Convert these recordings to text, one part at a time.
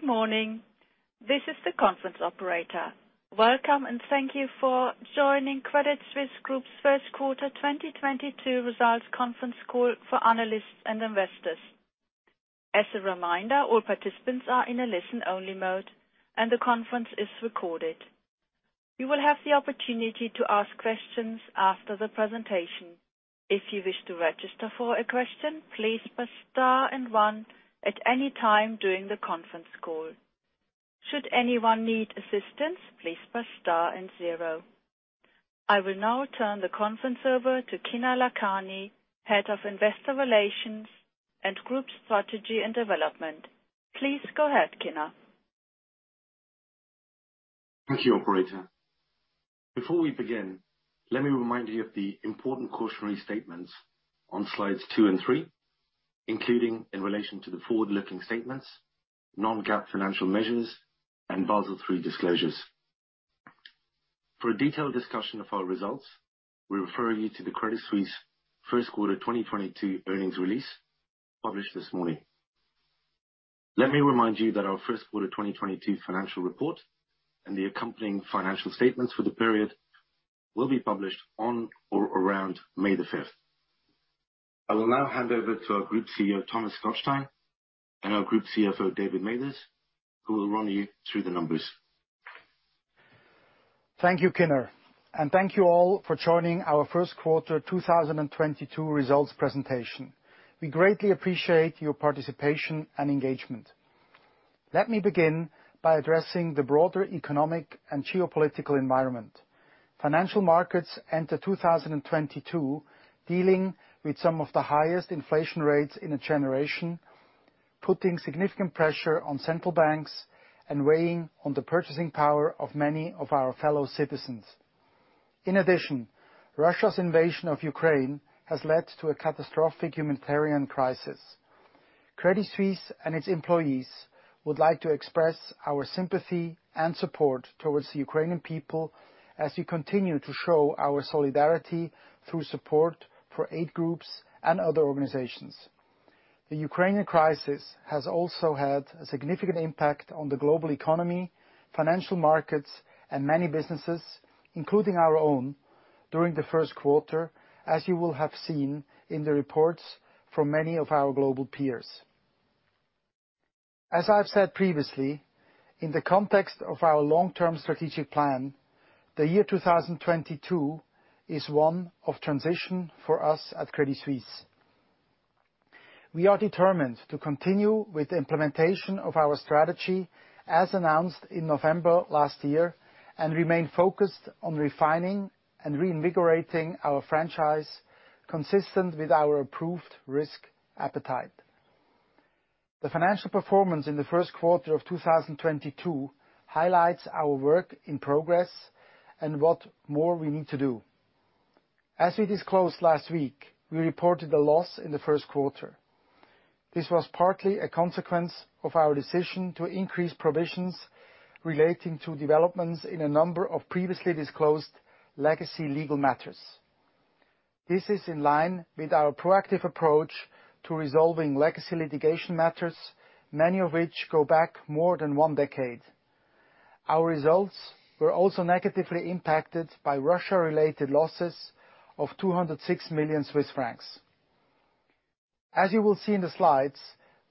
Good morning. This is the conference operator. Welcome and thank you for joining Credit Suisse Group's first quarter 2022 results conference call for analysts and investors. As a reminder, all participants are in a listen-only mode, and the conference is recorded. You will have the opportunity to ask questions after the presentation. If you wish to register for a question, please press star and one at any time during the conference call. Should anyone need assistance, please press star and zero. I will now turn the conference over to Kinner Lakhani, Head of Investor Relations and Group Strategy and Development. Please go ahead, Kinner. Thank you, operator. Before we begin, let me remind you of the important cautionary statements on slides two and three, including in relation to the forward-looking statements, non-GAAP financial measures, and Basel III disclosures. For a detailed discussion of our results, we refer you to the Credit Suisse first quarter 2022 earnings release published this morning. Let me remind you that our first quarter 2022 financial report and the accompanying financial statements for the period will be published on or around May 5th. I will now hand over to our Group CEO, Thomas Gottstein, and our Group CFO, David Mathers, who will run you through the numbers. Thank you, Kinner, and thank you all for joining our first quarter 2022 results presentation. We greatly appreciate your participation and engagement. Let me begin by addressing the broader economic and geopolitical environment. Financial markets enter 2022 dealing with some of the highest inflation rates in a generation, putting significant pressure on central banks and weighing on the purchasing power of many of our fellow citizens. In addition, Russia's invasion of Ukraine has led to a catastrophic humanitarian crisis. Credit Suisse and its employees would like to express our sympathy and support towards the Ukrainian people as we continue to show our solidarity through support for aid groups and other organizations. The Ukrainian crisis has also had a significant impact on the global economy, financial markets, and many businesses, including our own, during the first quarter, as you will have seen in the reports from many of our global peers. As I've said previously, in the context of our long-term strategic plan, the year 2022 is one of transition for us at Credit Suisse. We are determined to continue with the implementation of our strategy as announced in November last year, and remain focused on refining and reinvigorating our franchise consistent with our approved risk appetite. The financial performance in the first quarter of 2022 highlights our work in progress and what more we need to do. As we disclosed last week, we reported a loss in the first quarter. This was partly a consequence of our decision to increase provisions relating to developments in a number of previously disclosed legacy legal matters. This is in line with our proactive approach to resolving legacy litigation matters, many of which go back more than one decade. Our results were also negatively impacted by Russia-related losses of 206 million Swiss francs. As you will see in the slides,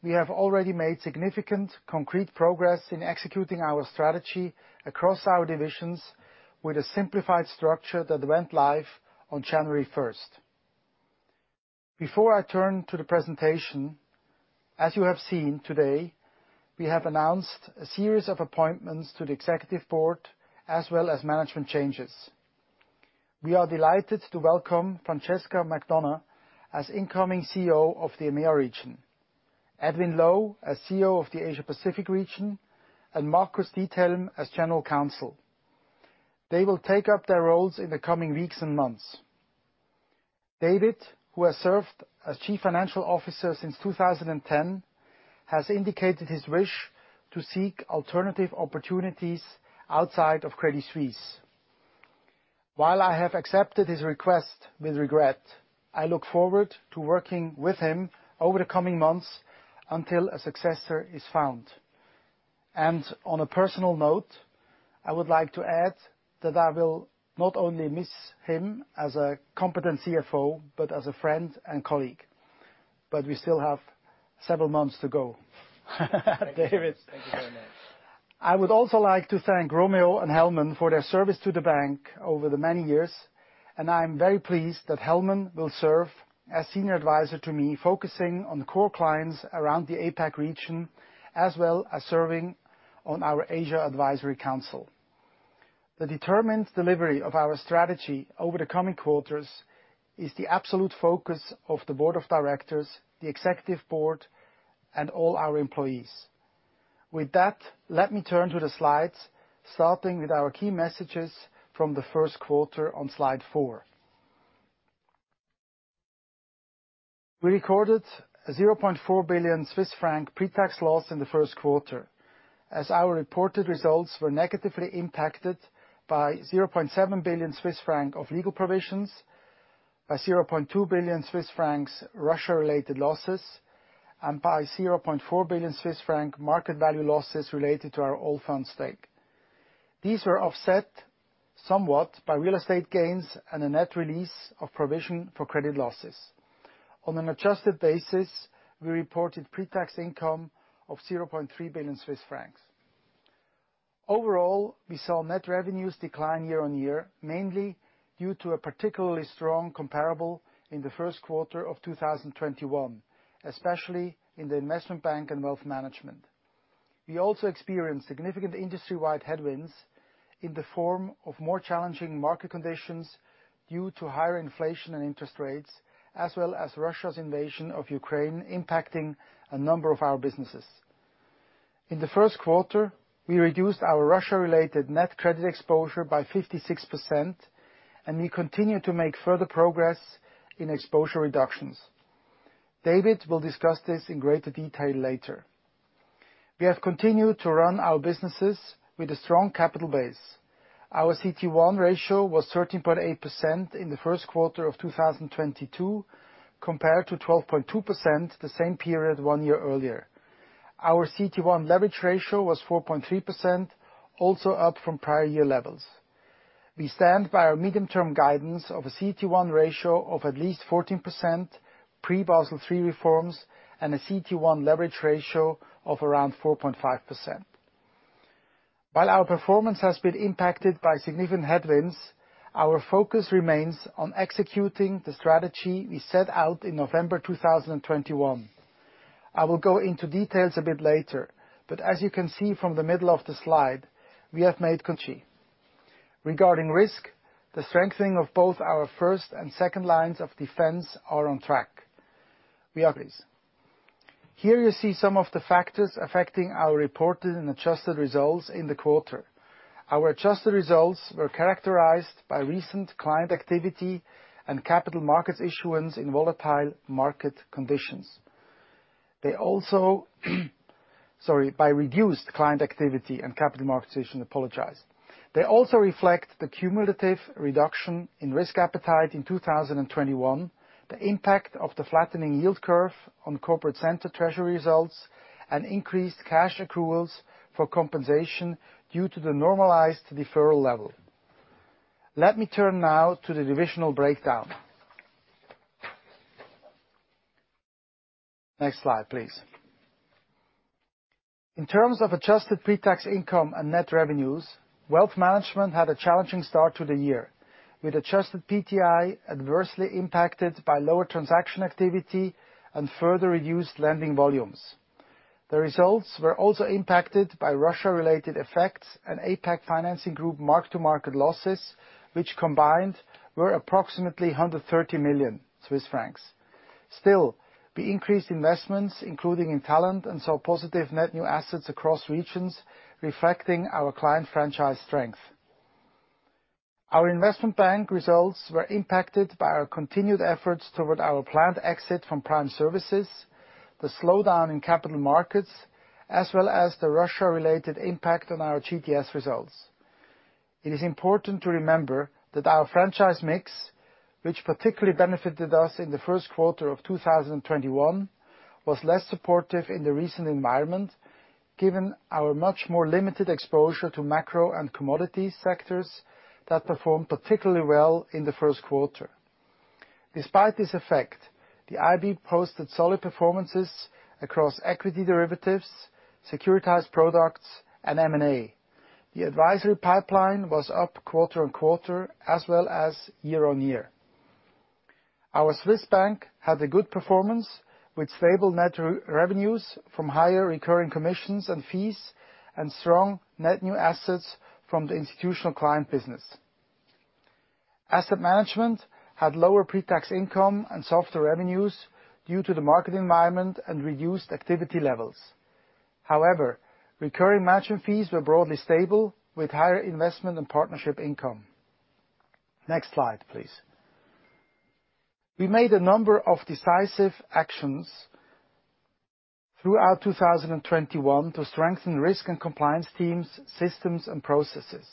we have already made significant concrete progress in executing our strategy across our divisions with a simplified structure that went live on January 1st. Before I turn to the presentation, as you have seen today, we have announced a series of appointments to the executive board as well as management changes. We are delighted to welcome Francesca McDonagh as incoming CEO of the EMEA region, Edwin Low as CEO of the Asia Pacific region, and Markus Diethelm as General Counsel. They will take up their roles in the coming weeks and months. David, who has served as Chief Financial Officer since 2010, has indicated his wish to seek alternative opportunities outside of Credit Suisse. While I have accepted his request with regret, I look forward to working with him over the coming months until a successor is found. On a personal note, I would like to add that I will not only miss him as a competent CFO, but as a friend and colleague. We still have several months to go. David. Thank you very much. I would also like to thank Romeo and Helman for their service to the bank over the many years, and I'm very pleased that Helman will serve as Senior Advisor to me, focusing on the core clients around the APAC region, as well as serving on our APAC Advisory Council. The determined delivery of our strategy over the coming quarters is the absolute focus of the Board of Directors, the Executive Board, and all our employees. With that, let me turn to the slides, starting with our key messages from the first quarter on slide four. We recorded a 0.4 billion Swiss franc pre-tax loss in the first quarter, as our reported results were negatively impacted by 0.7 billion Swiss francs of legal provisions, by 0.2 billion Swiss francs Russia-related losses, and by 0.4 billion Swiss franc market value losses related to our Allfunds stake. These were offset somewhat by real estate gains and a net release of provision for credit losses. On an adjusted basis, we reported pre-tax income of 0.3 billion Swiss francs. Overall, we saw net revenues decline year-over-year, mainly due to a particularly strong comparable in the first quarter of 2021, especially in the investment bank and wealth management. We also experienced significant industry-wide headwinds in the form of more challenging market conditions due to higher inflation and interest rates, as well as Russia's invasion of Ukraine impacting a number of our businesses. In the first quarter, we reduced our Russia-related net credit exposure by 56%, and we continue to make further progress in exposure reductions. David will discuss this in greater detail later. We have continued to run our businesses with a strong capital base. Our CET1 ratio was 13.8% in the first quarter of 2022, compared to 12.2% the same period one year earlier. Our CET1 leverage ratio was 4.3%, also up from prior year levels. We stand by our medium-term guidance of a CET1 ratio of at least 14% pre-Basel III reforms and a CET1 leverage ratio of around 4.5%. While our performance has been impacted by significant headwinds, our focus remains on executing the strategy we set out in November 2021. I will go into details a bit later, but as you can see from the middle of the slide, we have made good progress. Regarding risk, the strengthening of both our first and second lines of defense are on track. We are pleased. Here you see some of the factors affecting our reported and adjusted results in the quarter. Our adjusted results were characterized by reduced client activity and capital markets issuance in volatile market conditions. They also reflect the cumulative reduction in risk appetite in 2021, the impact of the flattening yield curve on corporate center treasury results, and increased cash accruals for compensation due to the normalized deferral level. Let me turn now to the divisional breakdown. Next slide, please. In terms of adjusted pre-tax income and net revenues, wealth management had a challenging start to the year, with adjusted PTI adversely impacted by lower transaction activity and further reduced lending volumes. The results were also impacted by Russia-related effects and APAC Financing Group mark-to-market losses, which combined were approximately 130 million Swiss francs. Still, we increased investments, including in talent, and saw positive net new assets across regions reflecting our client franchise strength. Our investment bank results were impacted by our continued efforts toward our planned exit from Prime Services, the slowdown in capital markets, as well as the Russia-related impact on our GTS results. It is important to remember that our franchise mix, which particularly benefited us in the first quarter of 2021, was less supportive in the recent environment, given our much more limited exposure to macro and commodity sectors that performed particularly well in the first quarter. Despite this effect, the IB posted solid performances across equity derivatives, securitized products, and M&A. The advisory pipeline was up quarter-on-quarter as well as year-on-year. Our Swiss bank had a good performance with stable net revenues from higher recurring commissions and fees and strong net new assets from the institutional client business. Asset management had lower pre-tax income and softer revenues due to the market environment and reduced activity levels. However, recurring management fees were broadly stable with higher investment and partnership income. Next slide, please. We made a number of decisive actions throughout 2021 to strengthen risk and compliance teams, systems, and processes.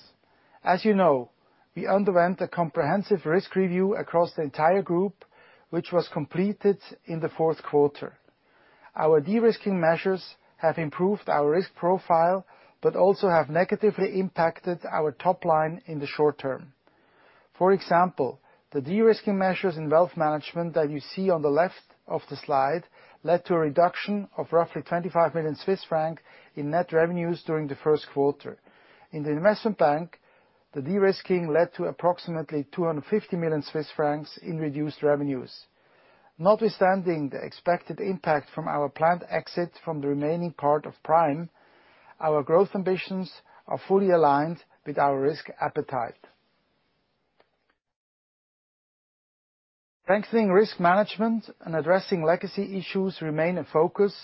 As you know, we underwent a comprehensive risk review across the entire group, which was completed in the fourth quarter. Our de-risking measures have improved our risk profile, but also have negatively impacted our top line in the short term. For example, the de-risking measures in wealth management that you see on the left of the slide led to a reduction of roughly 25 million Swiss francs in net revenues during the first quarter. In the investment bank, the de-risking led to approximately 250 million Swiss francs in reduced revenues. Notwithstanding the expected impact from our planned exit from the remaining part of Prime, our growth ambitions are fully aligned with our risk appetite. Strengthening risk management and addressing legacy issues remain a focus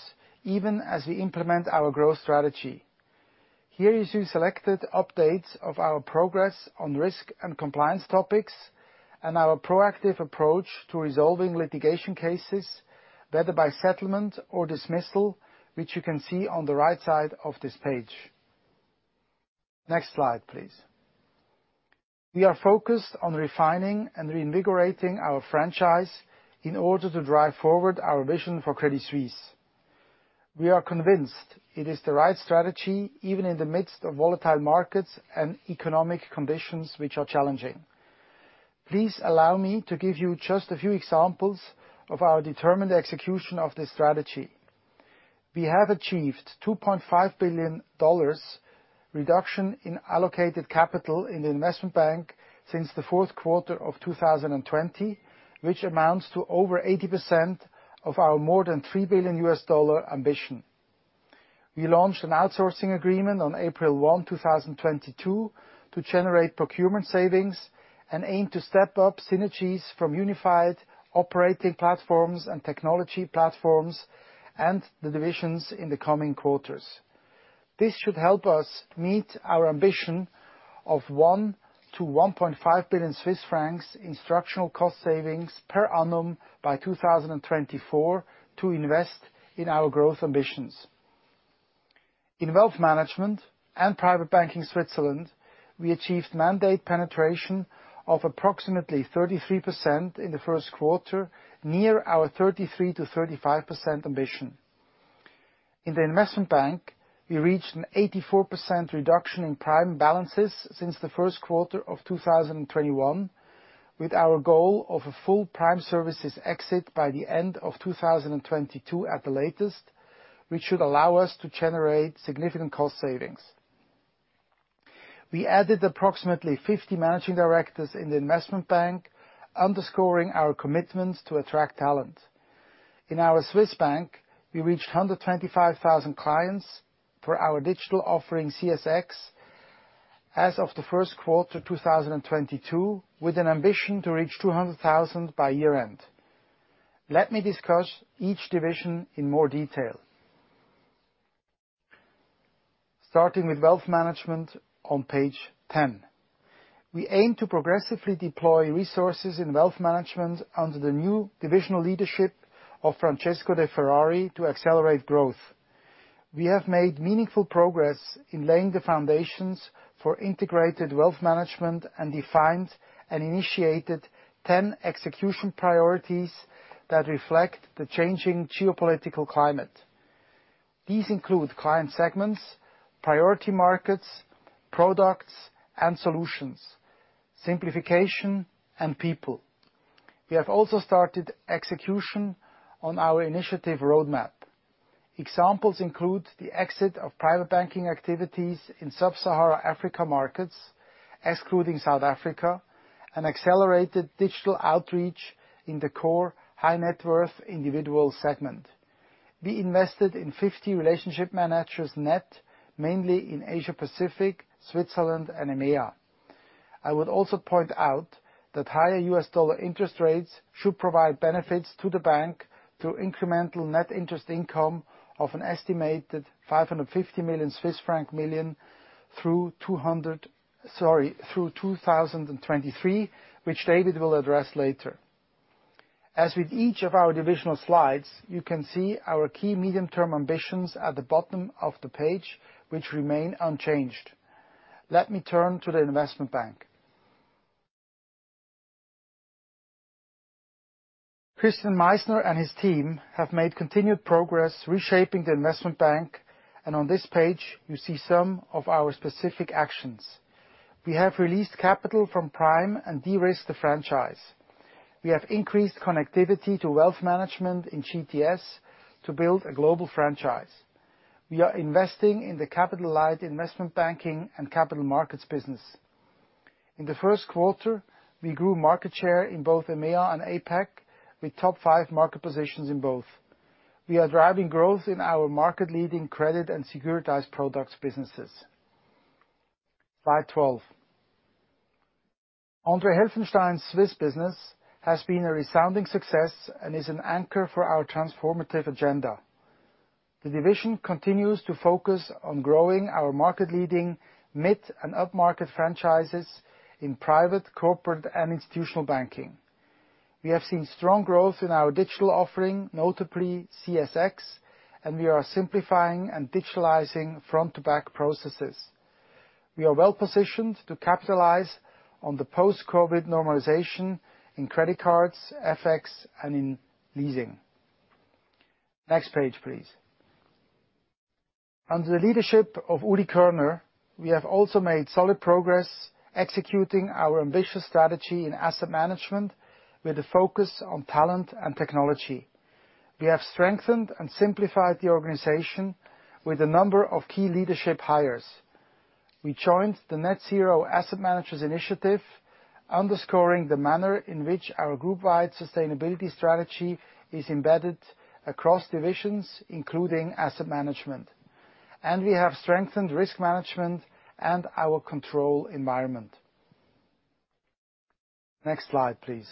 even as we implement our growth strategy. Here you see selected updates of our progress on risk and compliance topics and our proactive approach to resolving litigation cases, whether by settlement or dismissal, which you can see on the right side of this page. Next slide, please. We are focused on refining and reinvigorating our franchise in order to drive forward our vision for Credit Suisse. We are convinced it is the right strategy, even in the midst of volatile markets and economic conditions which are challenging. Please allow me to give you just a few examples of our determined execution of this strategy. We have achieved $2.5 billion reduction in allocated capital in the investment bank since the fourth quarter of 2020, which amounts to over 80% of our more than $3 billion ambition. We launched an outsourcing agreement on April 1, 2022 to generate procurement savings, and aim to step up synergies from unified operating platforms and technology platforms and the divisions in the coming quarters. This should help us meet our ambition of 1 billion-1.5 billion Swiss francs in structural cost savings per annum by 2024 to invest in our growth ambitions. In wealth management and private banking Switzerland, we achieved mandate penetration of approximately 33% in the first quarter, near our 33%-35% ambition. In the investment bank, we reached an 84% reduction in prime balances since the first quarter of 2021, with our goal of a full prime services exit by the end of 2022 at the latest, which should allow us to generate significant cost savings. We added approximately 50 managing directors in the investment bank, underscoring our commitment to attract talent. In our Swiss bank, we reached 125,000 clients for our digital offering, CSX, as of first quarter 2022, with an ambition to reach 200,000 by year-end. Let me discuss each division in more detail. Starting with wealth management on page 10. We aim to progressively deploy resources in wealth management under the new divisional leadership of Francesco De Ferrari to accelerate growth. We have made meaningful progress in laying the foundations for integrated wealth management and defined and initiated 10 execution priorities that reflect the changing geopolitical climate. These include client segments, priority markets, products and solutions, simplification and people. We have also started execution on our initiative roadmap. Examples include the exit of private banking activities in sub-Saharan Africa markets, excluding South Africa, and accelerated digital outreach in the core high net worth individual segment. We invested in 50 relationship managers net, mainly in Asia-Pacific, Switzerland and EMEA. I would also point out that higher U.S. dollar interest rates should provide benefits to the bank through incremental net interest income of an estimated 550 million Swiss franc through 2023, which David will address later. As with each of our divisional slides, you can see our key medium-term ambitions at the bottom of the page, which remain unchanged. Let me turn to the investment bank. Christian Meissner and his team have made continued progress reshaping the investment bank, and on this page you see some of our specific actions. We have released capital from Prime and de-risked the franchise. We have increased connectivity to wealth management in GTS to build a global franchise. We are investing in the capital light investment banking and capital markets business. In the first quarter, we grew market share in both EMEA and APAC, with top five market positions in both. We are driving growth in our market-leading credit and securitized products businesses. Slide 12. André Helfenstein's Swiss business has been a resounding success and is an anchor for our transformative agenda. The division continues to focus on growing our market-leading mid and upmarket franchises in private, corporate and institutional banking. We have seen strong growth in our digital offering, notably CSX, and we are simplifying and digitalizing front to back processes. We are well-positioned to capitalize on the post-COVID normalization in credit cards, FX and in leasing. Next page, please. Under the leadership of Ulrich Körner, we have also made solid progress executing our ambitious strategy in asset management with a focus on talent and technology. We have strengthened and simplified the organization with a number of key leadership hires. We joined the net zero asset managers initiative, underscoring the manner in which our group-wide sustainability strategy is embedded across divisions, including asset management. We have strengthened risk management and our control environment. Next slide, please.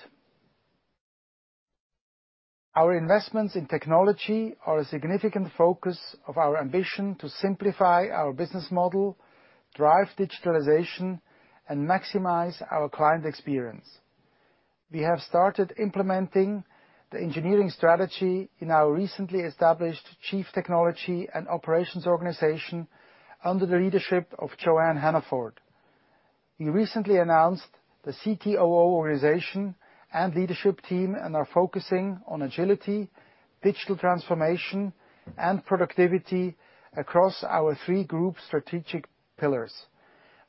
Our investments in technology are a significant focus of our ambition to simplify our business model, drive digitalization and maximize our client experience. We have started implementing the engineering strategy in our recently established chief technology and operations organization under the leadership of Joanne Hannaford. We recently announced the CTOO organization and leadership team and are focusing on agility, digital transformation, and productivity across our three group strategic pillars.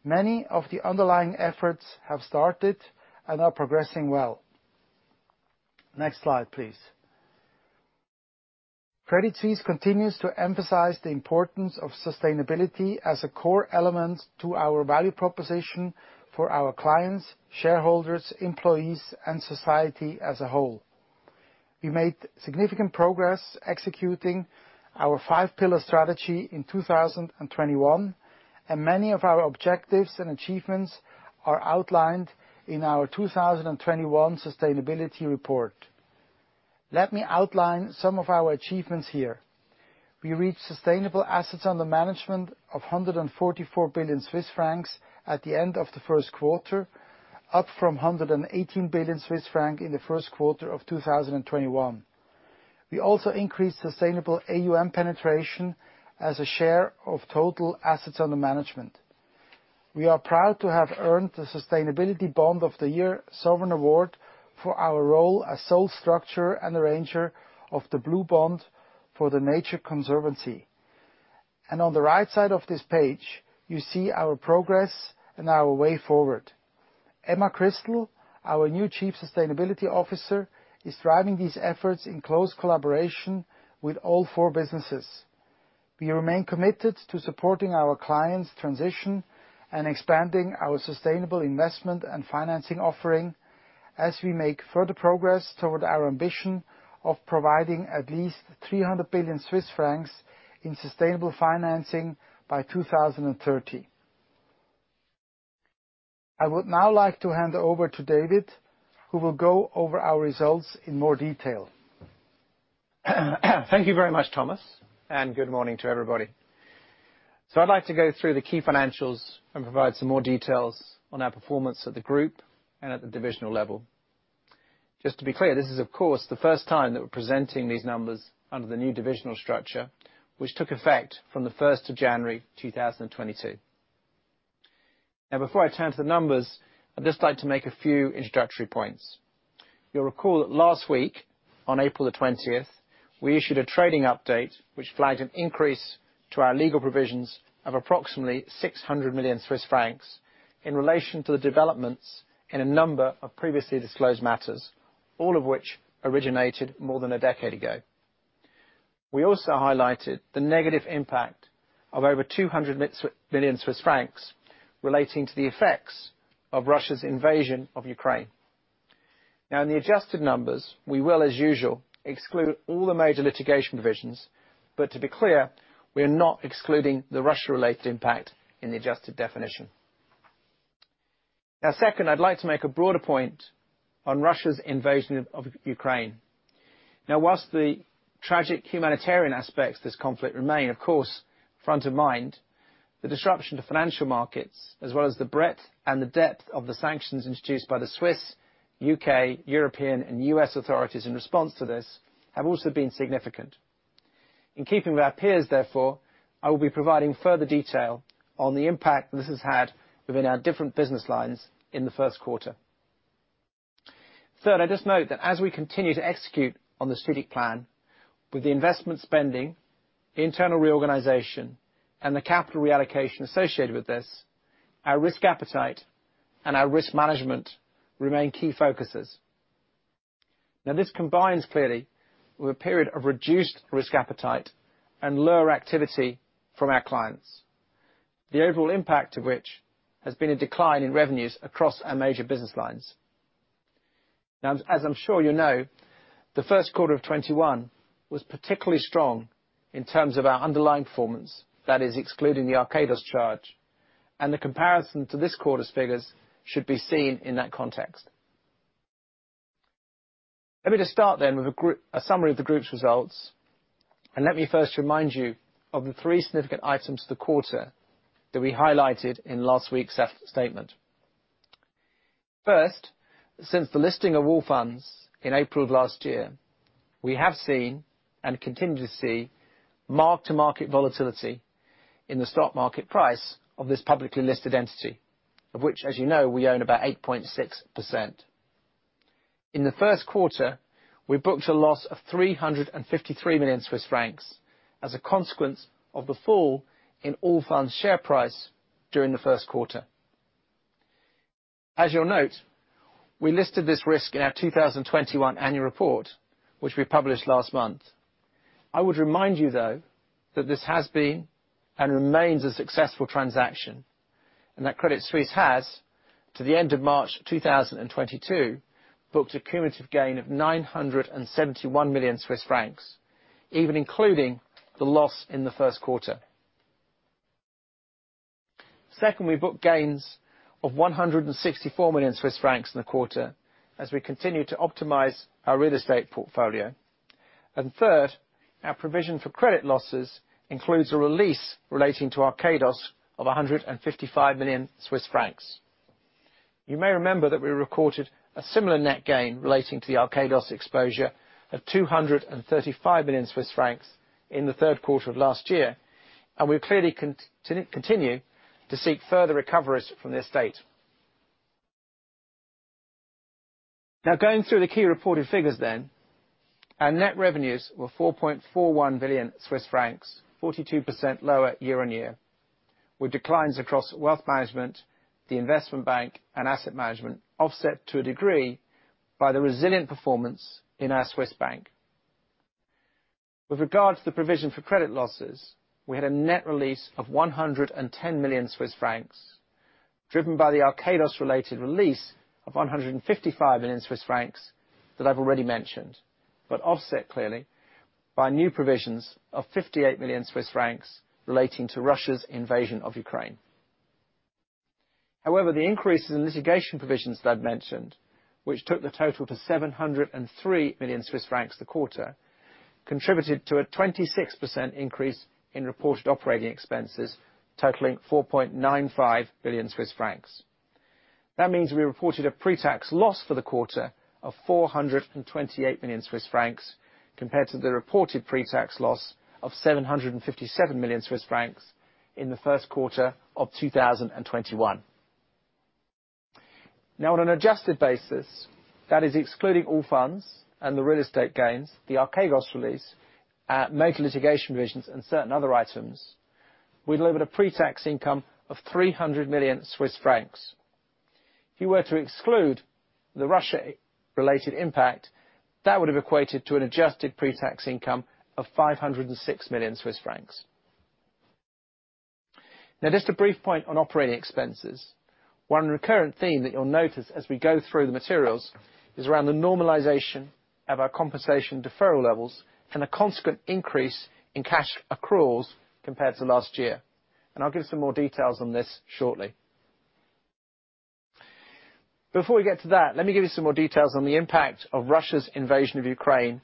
Many of the underlying efforts have started and are progressing well. Next slide, please. Credit Suisse continues to emphasize the importance of sustainability as a core element to our value proposition for our clients, shareholders, employees, and society as a whole. We made significant progress executing our five-pillar strategy in 2021, and many of our objectives and achievements are outlined in our 2021 sustainability report. Let me outline some of our achievements here. We reached sustainable assets under management of 144 billion Swiss francs at the end of the first quarter, up from 118 billion Swiss francs in the first quarter of 2021. We also increased sustainable AUM penetration as a share of total assets under management. We are proud to have earned the Sustainability Bond of the Year Sovereign Award for our role as sole structurer and arranger of the Blue Bond for The Nature Conservancy. On the right side of this page, you see our progress and our way forward. Emma Crystal, our new Chief Sustainability Officer, is driving these efforts in close collaboration with all four businesses. We remain committed to supporting our clients' transition and expanding our sustainable investment and financing offering as we make further progress toward our ambition of providing at least 300 billion Swiss francs in sustainable financing by 2030. I would now like to hand over to David, who will go over our results in more detail. Thank you very much, Thomas, and good morning to everybody. I'd like to go through the key financials and provide some more details on our performance at the group and at the divisional level. Just to be clear, this is of course the first time that we're presenting these numbers under the new divisional structure, which took effect from the January 1st, 2022. Now, before I turn to the numbers, I'd just like to make a few introductory points. You'll recall that last week, on April 20th, we issued a trading update which flagged an increase to our legal provisions of approximately 600 million Swiss francs in relation to the developments in a number of previously disclosed matters, all of which originated more than a decade ago. We also highlighted the negative impact of over 200 million Swiss francs relating to the effects of Russia's invasion of Ukraine. Now in the adjusted numbers, we will, as usual, exclude all the major litigation provisions. But to be clear, we're not excluding the Russia-related impact in the adjusted definition. Now, second, I'd like to make a broader point on Russia's invasion of Ukraine. Now while the tragic humanitarian aspects of this conflict remain, of course, front of mind, the disruption to financial markets as well as the breadth and the depth of the sanctions introduced by the Swiss, U.K., European, and U.S. authorities in response to this have also been significant. In keeping with our peers therefore, I will be providing further detail on the impact this has had within our different business lines in the first quarter. Third, I just note that as we continue to execute on the strategic plan, with the investment spending, the internal reorganization, and the capital reallocation associated with this, our risk appetite and our risk management remain key focuses. Now this combines clearly with a period of reduced risk appetite and lower activity from our clients. The overall impact of which has been a decline in revenues across our major business lines. Now, as I'm sure you know, the first quarter of 2021 was particularly strong in terms of our underlying performance, that is excluding the Archegos charge. The comparison to this quarter's figures should be seen in that context. Let me just start then with a summary of the group's results, and let me first remind you of the three significant items in the quarter that we highlighted in last week's statement. First, since the listing of Allfunds in April of last year, we have seen and continue to see mark-to-market volatility in the stock market price of this publicly listed entity, of which, as you know, we own about 8.6%. In the first quarter, we booked a loss of 353 million Swiss francs as a consequence of the fall in Allfunds' share price during the first quarter. As you'll note, we listed this risk in our 2021 annual report, which we published last month. I would remind you, though, that this has been and remains a successful transaction, and that Credit Suisse has, to the end of March 2022, booked a cumulative gain of 971 million Swiss francs, even including the loss in the first quarter. Second, we booked gains of 164 million Swiss francs in the quarter as we continue to optimize our real estate portfolio. Third, our provision for credit losses includes a release relating to Archegos of 155 million Swiss francs. You may remember that we recorded a similar net gain relating to the Archegos exposure of 235 million Swiss francs in the third quarter of last year, and we clearly continue to seek further recoveries from the estate. Now going through the key reported figures then. Our net revenues were 4.41 billion Swiss francs, 42% lower year-on-year, with declines across wealth management, the investment bank, and asset management offset to a degree by the resilient performance in our Swiss bank. With regard to the provision for credit losses, we had a net release of 110 million Swiss francs, driven by the Archegos related release of 155 million Swiss francs that I've already mentioned, but offset clearly by new provisions of 58 million Swiss francs relating to Russia's invasion of Ukraine. However, the increases in litigation provisions that I've mentioned, which took the total to 703 million Swiss francs this quarter, contributed to a 26% increase in reported operating expenses totaling 4.95 billion Swiss francs. That means we reported a pre-tax loss for the quarter of 428 million Swiss francs compared to the reported pre-tax loss of 757 million Swiss francs in the first quarter of 2021. Now on an adjusted basis, that is excluding Allfunds and the real estate gains, the Archegos release, major litigation provisions, and certain other items, we delivered a pre-tax income of 300 million Swiss francs. If you were to exclude the Russia-related impact, that would have equated to an adjusted pre-tax income of 506 million Swiss francs. Now just a brief point on operating expenses. One recurrent theme that you'll notice as we go through the materials is around the normalization of our compensation deferral levels and a consequent increase in cash accruals compared to last year, and I'll give some more details on this shortly. Before we get to that, let me give you some more details on the impact of Russia's invasion of Ukraine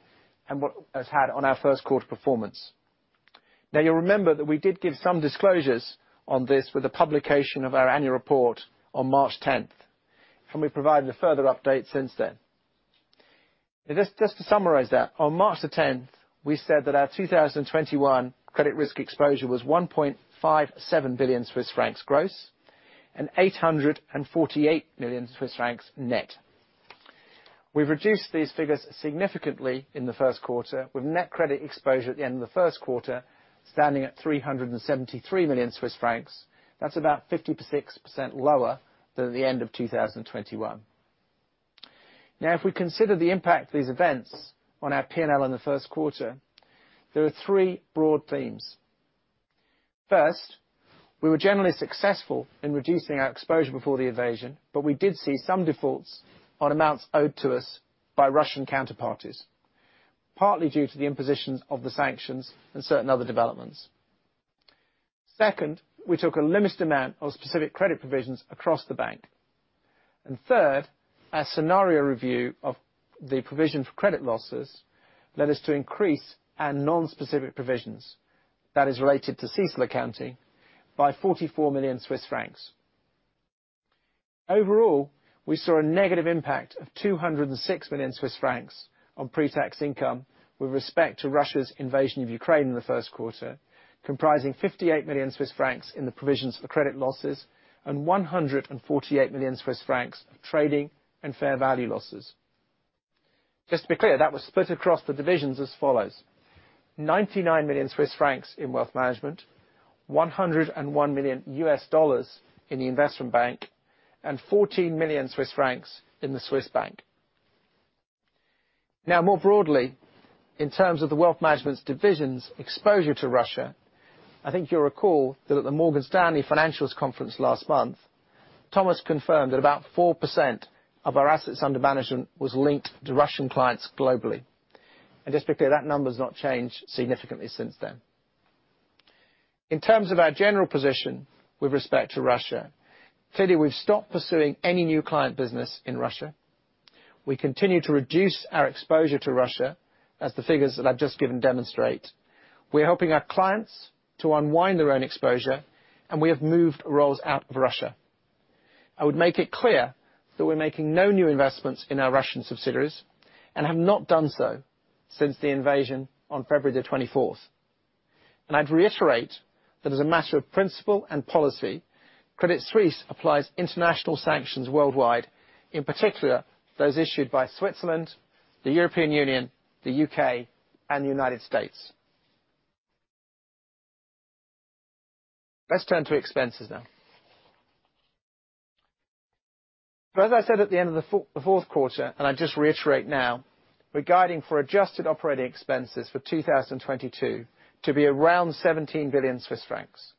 and what it's had on our first quarter performance. You'll remember that we did give some disclosures on this with the publication of our annual report on March 10, and we've provided a further update since then. Just to summarize that, on March 10, we said that our 2021 credit risk exposure was 1.57 billion Swiss francs gross and 848 million Swiss francs net. We've reduced these figures significantly in the first quarter with net credit exposure at the end of the first quarter standing at 373 million Swiss francs. That's about 56% lower than at the end of 2021. Now, if we consider the impact of these events on our P&L in the first quarter, there are three broad themes. First, we were generally successful in reducing our exposure before the invasion, but we did see some defaults on amounts owed to us by Russian counterparties, partly due to the imposition of the sanctions and certain other developments. Second, we took a limited amount of specific credit provisions across the bank. Third, a scenario review of the provision for credit losses led us to increase our non-specific provisions, that is related to CECL accounting, by 44 million Swiss francs. Overall, we saw a negative impact of 206 million Swiss francs on pre-tax income with respect to Russia's invasion of Ukraine in the first quarter, comprising 58 million Swiss francs in the provisions for credit losses and 148 million Swiss francs of trading and fair value losses. Just to be clear, that was split across the divisions as follows: 99 million Swiss francs in Wealth Management, $101 million in the Investment Bank, and 14 million Swiss francs in the Swiss Bank. Now more broadly, in terms of the Wealth Management division's exposure to Russia, I think you'll recall that at the Morgan Stanley European Financials Conference last month, Thomas confirmed that about 4% of our assets under management was linked to Russian clients globally. Just to be clear, that number's not changed significantly since then. In terms of our general position with respect to Russia, clearly we've stopped pursuing any new client business in Russia. We continue to reduce our exposure to Russia as the figures that I've just given demonstrate. We're helping our clients to unwind their own exposure, and we have moved roles out of Russia. I would make it clear that we're making no new investments in our Russian subsidiaries and have not done so since the invasion on February 24th. I'd reiterate that as a matter of principle and policy, Credit Suisse applies international sanctions worldwide, in particular, those issued by Switzerland, the European Union, the U.K., and the United States. Let's turn to expenses now. As I said at the end of the fourth quarter, and I just reiterate now, we're guiding for adjusted operating expenses for 2022 to be around 17 billion Swiss francs.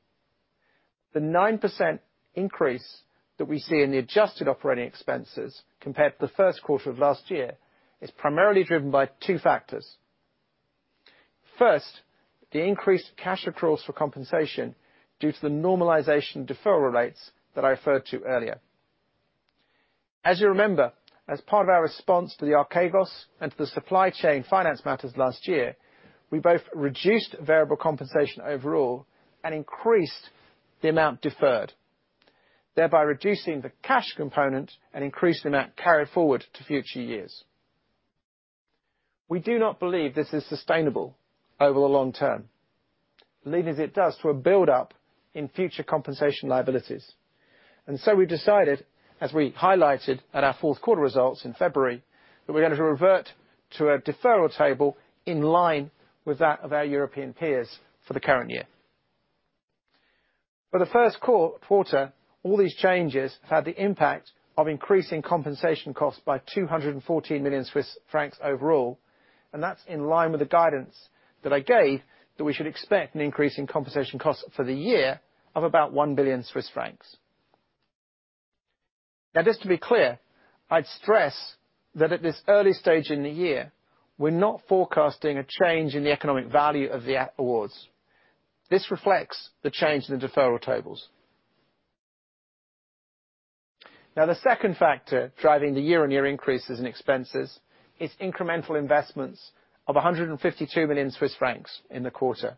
The 9% increase that we see in the adjusted operating expenses compared to the first quarter of last year is primarily driven by two factors. First, the increased cash accruals for compensation due to the normalization deferral rates that I referred to earlier. As you remember, as part of our response to the Archegos and to the supply chain finance matters last year, we both reduced variable compensation overall and increased the amount deferred, thereby reducing the cash component and increased the amount carried forward to future years. We do not believe this is sustainable over the long term, leading as it does, to a buildup in future compensation liabilities. We decided, as we highlighted at our fourth quarter results in February, that we're going to revert to a deferral table in line with that of our European peers for the current year. For the first quarter, all these changes have had the impact of increasing compensation costs by 214 million Swiss francs overall, and that's in line with the guidance that I gave that we should expect an increase in compensation costs for the year of about 1 billion Swiss francs. Now, just to be clear, I'd stress that at this early stage in the year, we're not forecasting a change in the economic value of the awards. This reflects the change in the deferral tables. Now, the second factor driving the year-on-year increases in expenses is incremental investments of 152 million Swiss francs in the quarter.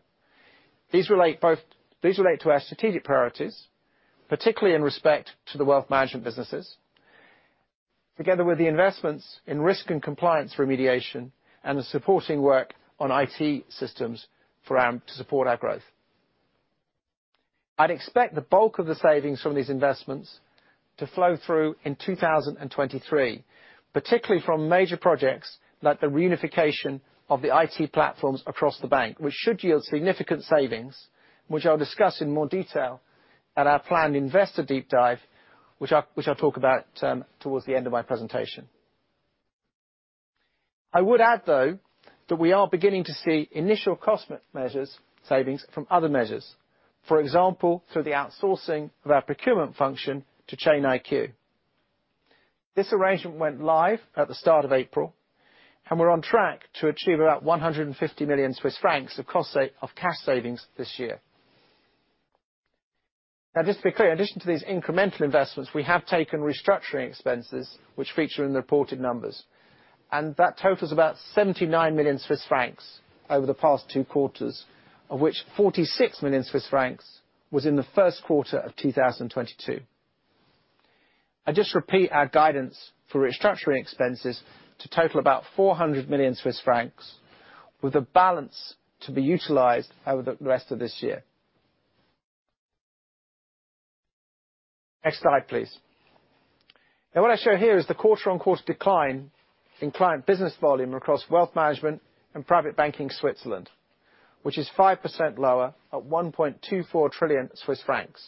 These relate to our strategic priorities, particularly in respect to the wealth management businesses, together with the investments in risk and compliance remediation and the supporting work on IT systems to support our growth. I'd expect the bulk of the savings from these investments to flow through in 2023, particularly from major projects like the reunification of the IT platforms across the bank, which should yield significant savings, which I'll discuss in more detail at our planned investor deep dive, which I'll talk about towards the end of my presentation. I would add, though, that we are beginning to see initial cost measures, savings from other measures. For example, through the outsourcing of our procurement function to Chain IQ. This arrangement went live at the start of April, and we're on track to achieve about 150 million Swiss francs of cash savings this year. Now, just to be clear, in addition to these incremental investments, we have taken restructuring expenses which feature in the reported numbers, and that totals about 79 million Swiss francs over the past two quarters, of which 46 million Swiss francs was in the first quarter of 2022. I just repeat our guidance for restructuring expenses to total about 400 million Swiss francs, with the balance to be utilized over the rest of this year. Next slide, please. Now, what I show here is the quarter-on-quarter decline in client business volume across wealth management and private banking Switzerland, which is 5% lower at 1.24 trillion Swiss francs.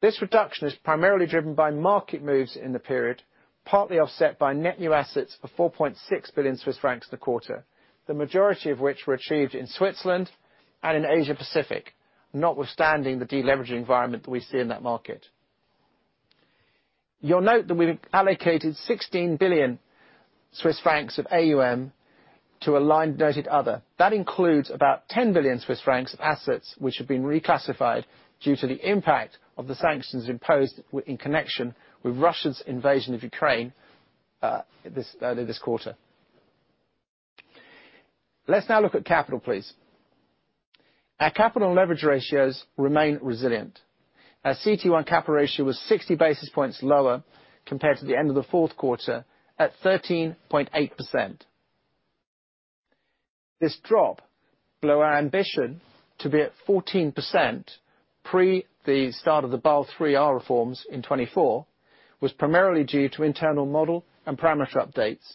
This reduction is primarily driven by market moves in the period, partly offset by net new assets of 4.6 billion Swiss francs this quarter, the majority of which were achieved in Switzerland and in Asia Pacific, notwithstanding the deleveraging environment that we see in that market. You'll note that we've allocated 16 billion Swiss francs of AUM to a line noted other. That includes about 10 billion Swiss francs of assets which have been reclassified due to the impact of the sanctions imposed with connection with Russia's invasion of Ukraine, this quarter. Let's now look at capital, please. Our capital and leverage ratios remain resilient. Our CET1 capital ratio was 60 basis points lower compared to the end of the fourth quarter at 13.8%. This drop below our ambition to be at 14% pre the start of the Basel III reforms in 2024 was primarily due to internal model and parameter updates,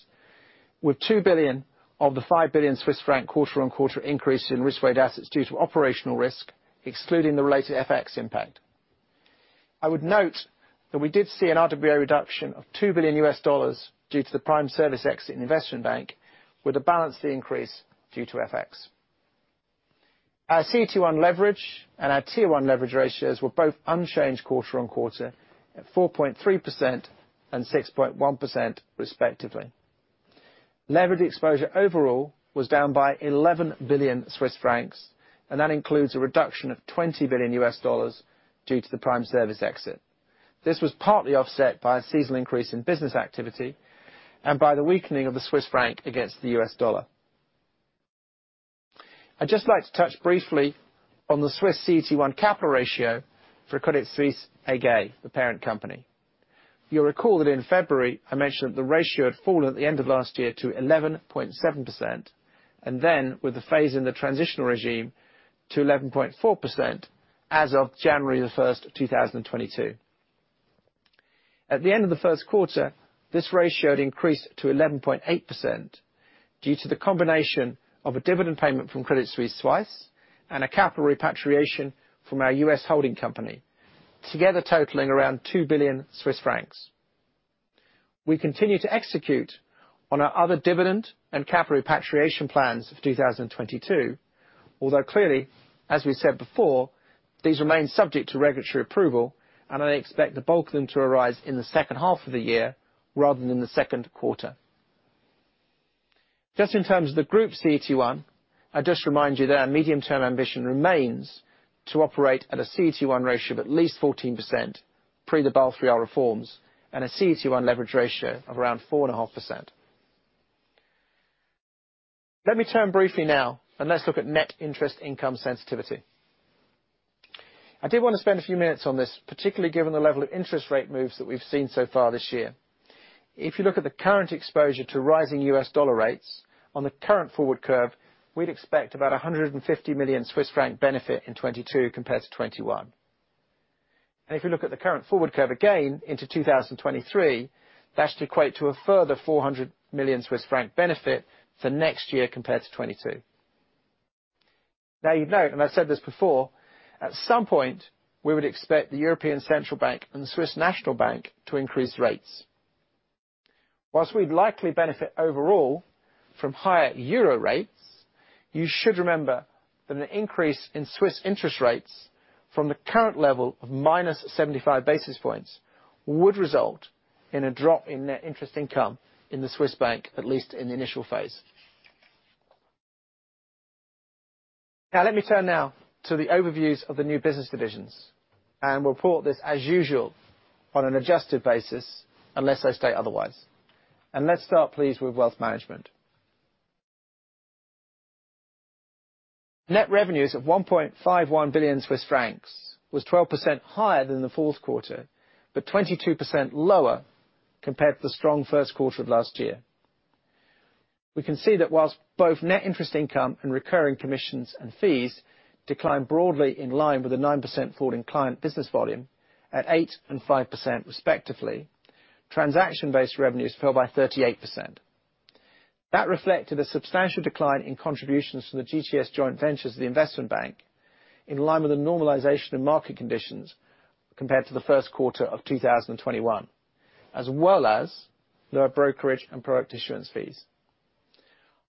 with 2 billion of the 5 billion Swiss franc quarter-over-quarter increase in risk-weighted assets due to operational risk, excluding the related FX impact. I would note that we did see an RWA reduction of $2 billion due to the Prime Services exit in investment bank, with a balanced increase due to FX. Our CET1 leverage and our Tier 1 leverage ratios were both unchanged quarter-over-quarter at 4.3% and 6.1% respectively. Leveraged exposure overall was down by 11 billion Swiss francs, and that includes a reduction of $20 billion due to the Prime Services exit. This was partly offset by a seasonal increase in business activity and by the weakening of the Swiss franc against the U.S. dollar. I'd just like to touch briefly on the Swiss CET1 capital ratio for Credit Suisse AG, the parent company. You'll recall that in February, I mentioned that the ratio had fallen at the end of last year to 11.7%, and then with the phase in the transitional regime to 11.4% as of January 1st, 2022. At the end of the first quarter, this ratio had increased to 11.8% due to the combination of a dividend payment from Credit Suisse AG and a capital repatriation from our U.S. holding company, together totaling around 2 billion Swiss francs. We continue to execute on our other dividend and capital repatriation plans for 2022, although clearly, as we said before, these remain subject to regulatory approval, and I expect the bulk of them to arise in the second half of the year rather than in the second quarter. Just in terms of the Group CET1, I just remind you that our medium-term ambition remains to operate at a CET1 ratio of at least 14% pre the Basel III reforms and a CET1 leverage ratio of around 4.5%. Let me turn briefly now and let's look at net interest income sensitivity. I did wanna spend a few minutes on this, particularly given the level of interest rate moves that we've seen so far this year. If you look at the current exposure to rising U.S. dollar rates on the current forward curve, we'd expect about 150 million Swiss franc benefit in 2022 compared to 2021. If you look at the current forward curve again into 2023, that should equate to a further 400 million Swiss franc benefit for next year compared to 2022. Now you'd note, and I've said this before, at some point we would expect the European Central Bank and the Swiss National Bank to increase rates. Whilst we'd likely benefit overall from higher euro rates, you should remember that an increase in Swiss interest rates from the current level of -75 basis points would result in a drop in net interest income in the Swiss bank, at least in the initial phase. Now, let me turn now to the overviews of the new business divisions, and we'll report this, as usual, on an adjusted basis, unless I state otherwise. Let's start, please, with wealth management. Net revenues of 1.51 billion Swiss francs was 12% higher than the fourth quarter, but 22% lower compared to the strong first quarter of last year. We can see that while both net interest income and recurring commissions and fees declined broadly in line with a 9% fall in client business volume at 8% and 5% respectively, transaction-based revenues fell by 38%. That reflected a substantial decline in contributions to the GTS joint ventures of the investment bank in line with the normalization of market conditions compared to the first quarter of 2021, as well as lower brokerage and product issuance fees.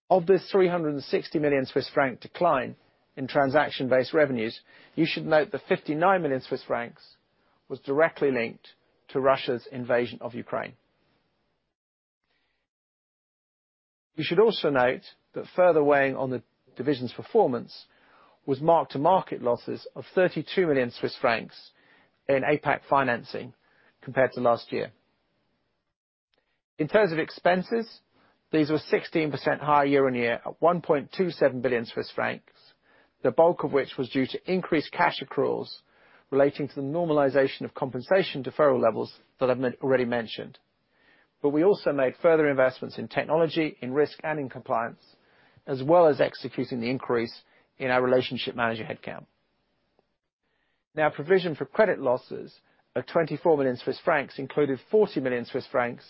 Of this 360 million Swiss franc decline in transaction-based revenues, you should note that 59 million Swiss francs was directly linked to Russia's invasion of Ukraine. You should also note that further weighing on the division's performance was mark-to-market losses of 32 million Swiss francs in APAC financing compared to last year. In terms of expenses, these were 16% higher year-on-year at 1.27 billion Swiss francs, the bulk of which was due to increased cash accruals relating to the normalization of compensation deferral levels that I mentioned already. We also made further investments in technology, in risk, and in compliance, as well as executing the increase in our relationship manager headcount. Now, provision for credit losses of 24 million Swiss francs included 40 million Swiss francs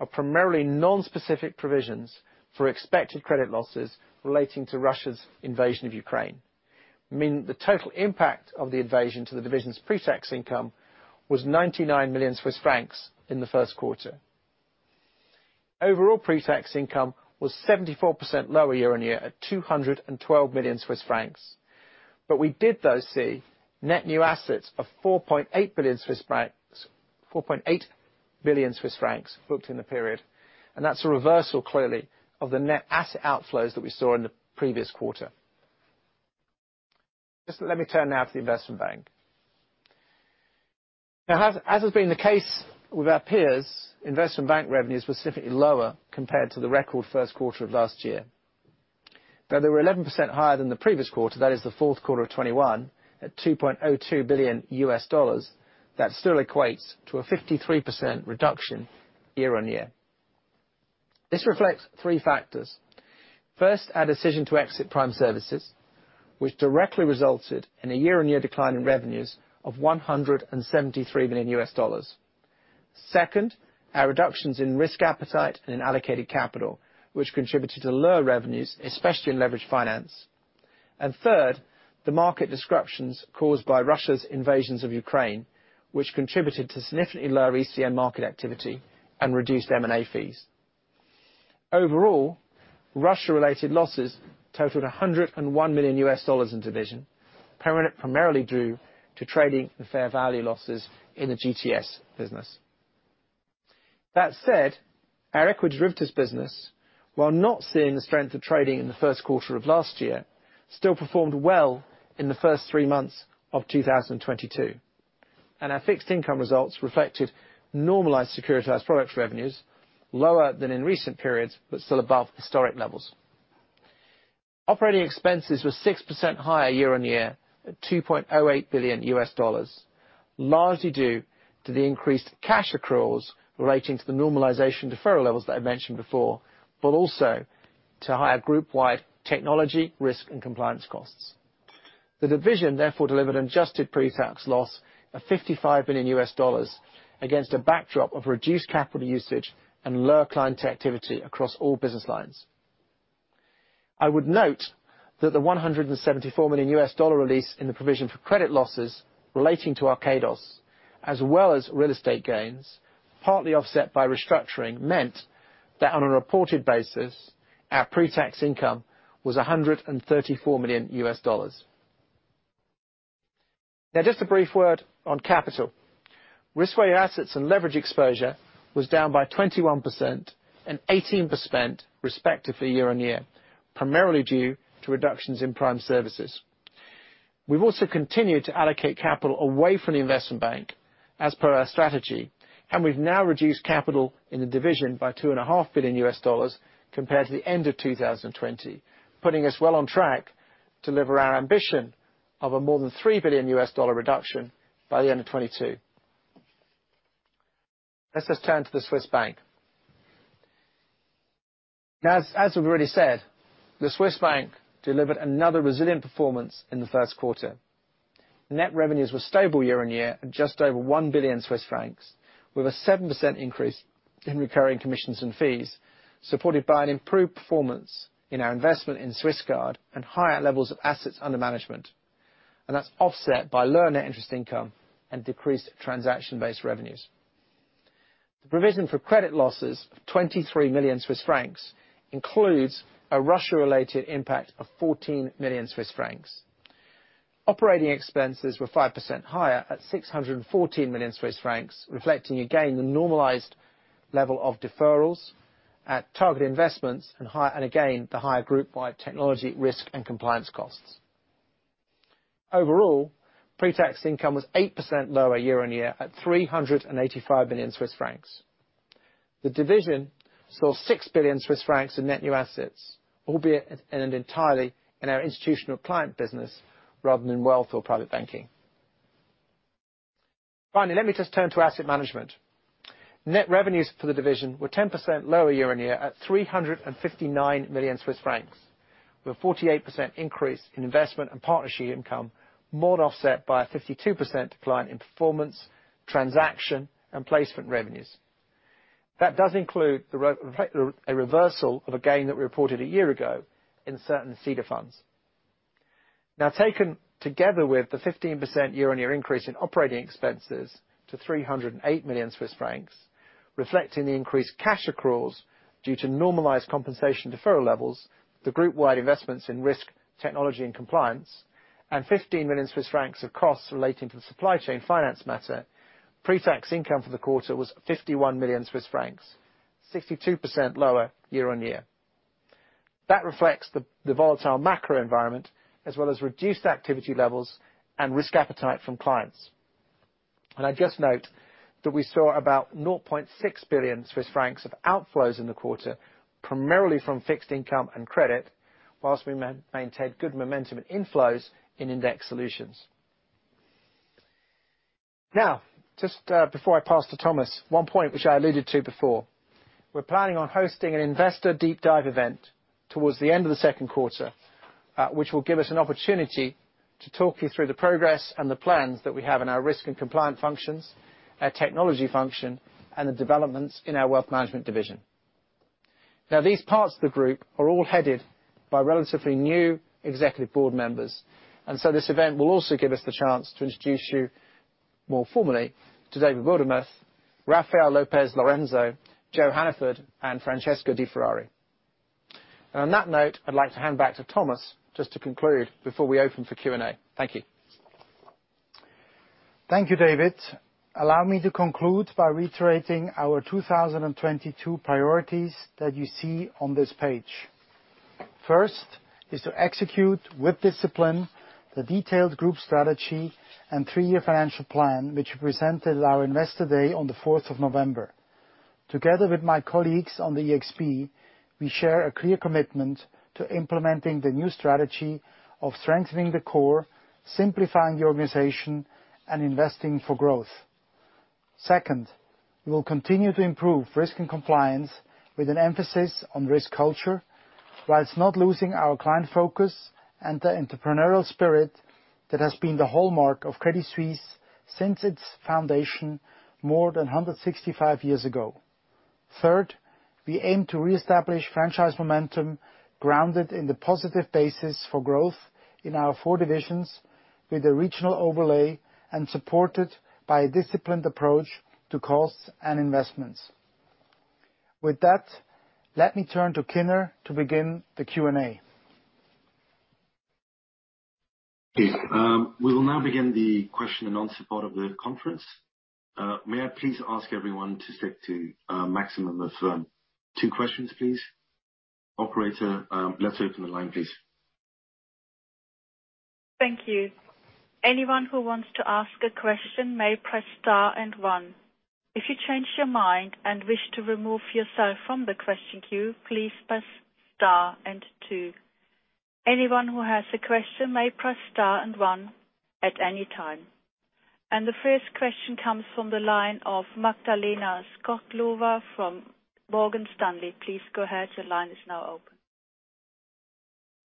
of primarily non-specific provisions for expected credit losses relating to Russia's invasion of Ukraine, meaning the total impact of the invasion to the division's pre-tax income was 99 million Swiss francs in the first quarter. Overall pre-tax income was 74% lower year-on-year at 212 million Swiss francs. We did though see net new assets of 4.8 billion Swiss francs booked in the period. That's a reversal clearly of the net asset outflows that we saw in the previous quarter. Just let me turn now to the investment bank. Now as has been the case with our peers, investment bank revenues were significantly lower compared to the record first quarter of last year. Though they were 11% higher than the previous quarter, that is the fourth quarter of 2021, at $2.02 billion, that still equates to a 53% reduction year-on-year. This reflects three factors. First, our decision to exit Prime Services, which directly resulted in a year-on-year decline in revenues of $173 million. Second, our reductions in risk appetite and in allocated capital, which contributed to lower revenues, especially in leveraged finance. Third, the market disruptions caused by Russia's invasion of Ukraine, which contributed to significantly lower ECM market activity and reduced M&A fees. Overall, Russia-related losses totaled $101 million in division, primarily due to trading and the fair value losses in the GTS business. That said, our equity derivatives business, while not seeing the strength of trading in the first quarter of last year, still performed well in the first three months of 2022. Our fixed income results reflected normalized securitized products revenues lower than in recent periods, but still above historic levels. Operating expenses were 6% higher year-on-year at $2.08 billion, largely due to the increased cash accruals relating to the normalization deferral levels that I mentioned before, but also to higher group-wide technology, risk, and compliance costs. The division therefore delivered an adjusted pre-tax loss of $55 million against a backdrop of reduced capital usage and lower client activity across all business lines. I would note that the $174 million release in the provision for credit losses relating to Archegos, as well as real estate gains, partly offset by restructuring, meant that on a reported basis, our pre-tax income was $134 million. Now just a brief word on capital. Risk-weighted assets and leverage exposure was down by 21% and 18% respectively year-on-year, primarily due to reductions in Prime Services. We've also continued to allocate capital away from the investment bank as per our strategy, and we've now reduced capital in the division by $2.5 billion compared to the end of 2020, putting us well on track to deliver our ambition of a more than $3 billion reduction by the end of 2022. Let's just turn to the Swiss Bank. Now, as we've already said, the Swiss Bank delivered another resilient performance in the first quarter. Net revenues were stable year-on-year at just over 1 billion Swiss francs, with a 7% increase in recurring commissions and fees, supported by an improved performance in our investment in Swisscard and higher levels of assets under management. That's offset by lower net interest income and decreased transaction-based revenues. The provision for credit losses of 23 million Swiss francs includes a Russia-related impact of 14 million Swiss francs. Operating expenses were 5% higher at 614 million Swiss francs, reflecting again the normalized level of deferrals at target investments and, again, the higher group-wide technology risk and compliance costs. Overall, pre-tax income was 8% lower year-on-year at 385 million Swiss francs. The division saw 6 billion Swiss francs in net new assets, albeit entirely in our institutional client business rather than in wealth or private banking. Finally, let me just turn to asset management. Net revenues for the division were 10% lower year-on-year at 359 million Swiss francs, with a 48% increase in investment and partnership income, more than offset by a 52% decline in performance, transaction, and placement revenues. That does include a reversal of a gain that we reported a year ago in certain CEDA Funds. Now taken together with the 15% year-on-year increase in operating expenses to 308 million Swiss francs, reflecting the increased cash accruals due to normalized compensation deferral levels, the group-wide investments in risk, technology, and compliance, and 15 million Swiss francs of costs relating to the supply chain finance matter, pre-tax income for the quarter was 51 million Swiss francs, 62% lower year-on-year. That reflects the volatile macro environment as well as reduced activity levels and risk appetite from clients. I'd just note that we saw about 0.6 billion Swiss francs of outflows in the quarter, primarily from fixed income and credit, while we maintained good momentum in inflows in index solutions. Now, just, before I pass to Thomas, one point which I alluded to before. We're planning on hosting an investor deep dive event towards the end of the second quarter, which will give us an opportunity to talk you through the progress and the plans that we have in our risk and compliance functions, our technology function, and the developments in our wealth management division. Now, these parts of the group are all headed by relatively new executive board members, and so this event will also give us the chance to introduce you more formally to David Wildermuth, Rafael Lopez Lorenzo, Joanne Hannaford, and Francesco De Ferrari. On that note, I'd like to hand back to Thomas just to conclude before we open for Q&A. Thank you. Thank you, David. Allow me to conclude by reiterating our 2022 priorities that you see on this page. First is to execute with discipline the detailed group strategy and three-year financial plan, which we presented at our Investor Day on November 4th, 2021. Together with my colleagues on the ExB, we share a clear commitment to implementing the new strategy of strengthening the core, simplifying the organization, and investing for growth. Second, we will continue to improve risk and compliance with an emphasis on risk culture, while not losing our client focus and the entrepreneurial spirit that has been the hallmark of Credit Suisse since its foundation more than 165 years ago. Third, we aim to reestablish franchise momentum grounded in the positive basis for growth in our four divisions with a regional overlay and supported by a disciplined approach to costs and investments. With that, let me turn to Kinner to begin the Q&A. Okay, we will now begin the question-and-answer part of the conference. May I please ask everyone to stick to a maximum of, two questions, please? Operator let's open the line, please. Thank you. Anyone who wants to ask a question may press star and one. If you change your mind and wish to remove yourself from the question queue, please press star and two. Anyone who has a question may press star and one at any time. The first question comes from the line of Magdalena Stoklosa from Morgan Stanley. Please go ahead. Your line is now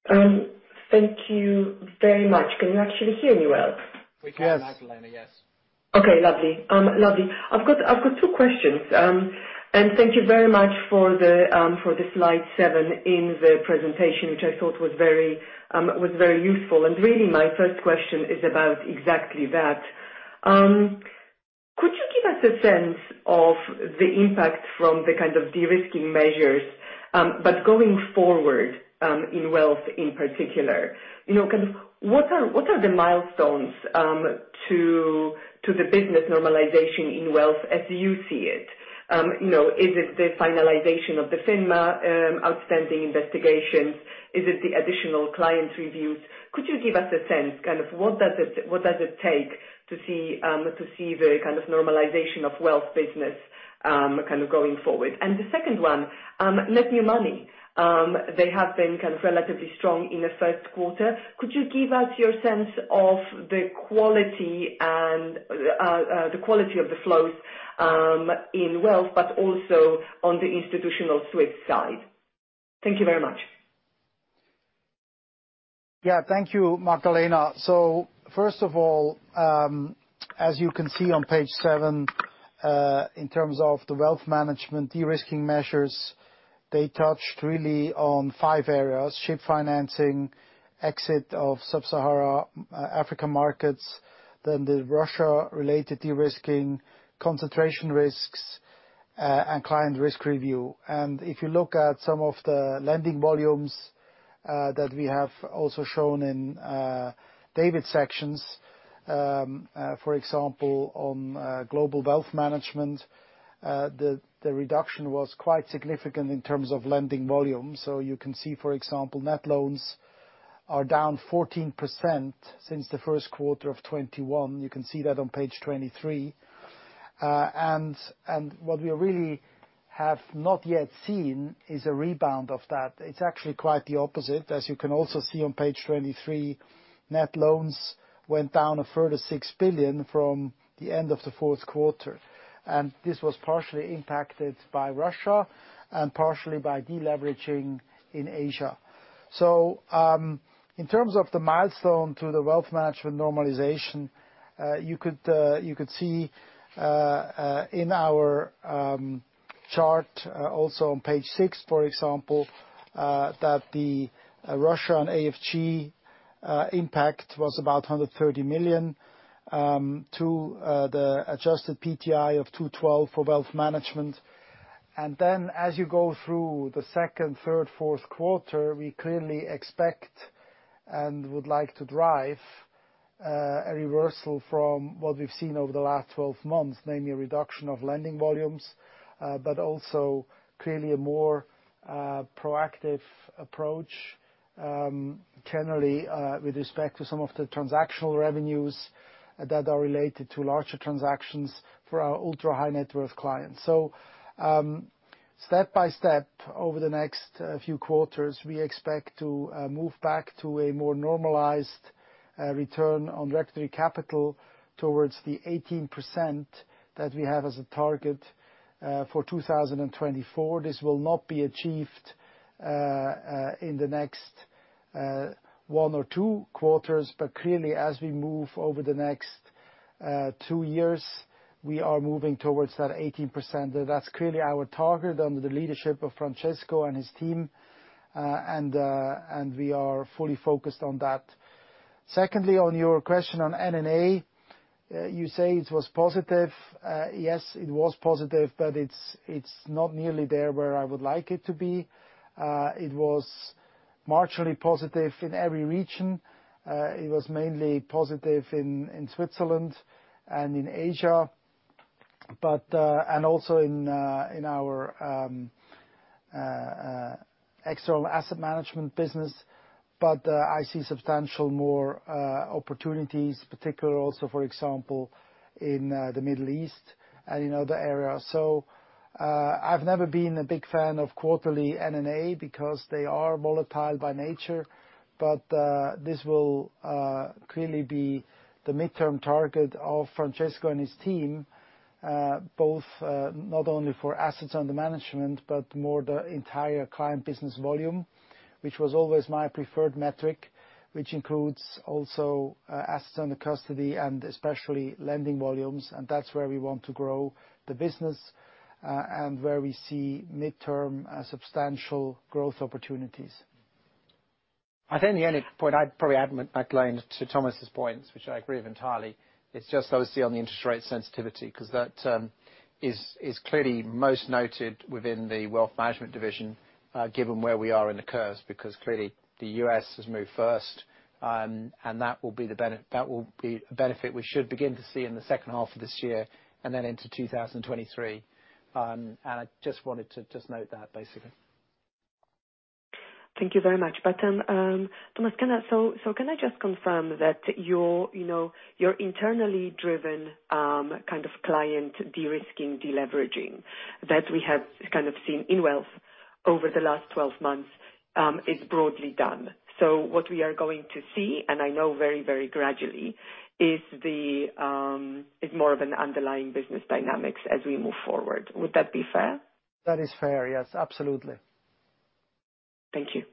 open. Thank you very much. Can you actually hear me well? We can, Magdalena, yes. Okay, lovely. I've got two questions. Thank you very much for the slide seven in the presentation, which I thought was very useful. Really my first question is about exactly that. Give us a sense of the impact from the kind of de-risking measures, but going forward in Wealth in particular. You know, kind of what are the milestones to the business normalization in Wealth as you see it? You know, is it the finalization of the FINMA outstanding investigation? Is it the additional client reviews? Could you give us a sense, kind of what does it take to see the kind of normalization of Wealth business going forward? The second one, net new money. They have been kind of relatively strong in the first quarter. Could you give us your sense of the quality of the flows in Wealth, but also on the institutional Swiss side? Thank you very much. Yeah. Thank you, Magdalena. First of all, as you can see on page seven, in terms of the Wealth Management de-risking measures, they touched really on five areas: ship financing, exit of Sub-Saharan Africa markets, then the Russia-related de-risking, concentration risks, and client risk review. If you look at some of the lending volumes that we have also shown in David's sections, for example, on global wealth management, the reduction was quite significant in terms of lending volume. You can see, for example, net loans are down 14% since the first quarter of 2021. You can see that on page 23. What we really have not yet seen is a rebound of that. It's actually quite the opposite. As you can also see on page 23, net loans went down a further 6 billion from the end of the fourth quarter, and this was partially impacted by Russia and partially by de-leveraging in Asia. In terms of the milestone to the Wealth Management normalization, you could see in our chart also on page six, for example, that the Russia and AFG impact was about 130 million to the adjusted PTI of 212 for Wealth Management. As you go through the second, third, fourth quarter, we clearly expect and would like to drive a reversal from what we've seen over the last 12 months, namely a reduction of lending volumes, but also clearly a more proactive approach, generally, with respect to some of the transactional revenues that are related to larger transactions for our ultra-high net worth clients. Step by step, over the next few quarters, we expect to move back to a more normalized return on regulatory capital towards the 18% that we have as a target for 2024. This will not be achieved in the next one or two quarters. Clearly, as we move over the next two years, we are moving towards that 18%. That's clearly our target under the leadership of Francesco and his team, and we are fully focused on that. Secondly, on your question on NNA, you say it was positive. Yes, it was positive, but it's not nearly there where I would like it to be. It was marginally positive in every region. It was mainly positive in Switzerland and in Asia, but also in our external asset management business. I see substantially more opportunities, particularly also, for example, in the Middle East and in other areas. I've never been a big fan of quarterly NNA because they are volatile by nature, but this will clearly be the midterm target of Francesco and his team, both not only for assets under management, but more the entire client business volume, which was always my preferred metric, which includes also assets under custody and especially lending volumes. That's where we want to grow the business, and where we see midterm substantial growth opportunities. I think the only point I'd probably add, Magdalena, to Thomas's points, which I agree with entirely, it's just obviously on the interest rate sensitivity, 'cause that is clearly most noted within the Wealth Management division, given where we are in the curves. Because clearly the U.S. has moved first, and that will be a benefit we should begin to see in the second half of this year and then into 2023. I just wanted to just note that, basically. Thank you very much. Thomas, can I just confirm that your, you know, your internally driven, kind of client de-risking, de-leveraging that we have kind of seen in Wealth over the last 12 months, is broadly done. What we are going to see, and I know very, very gradually, is more of an underlying business dynamics as we move forward. Would that be fair? That is fair, yes. Absolutely. Thank you.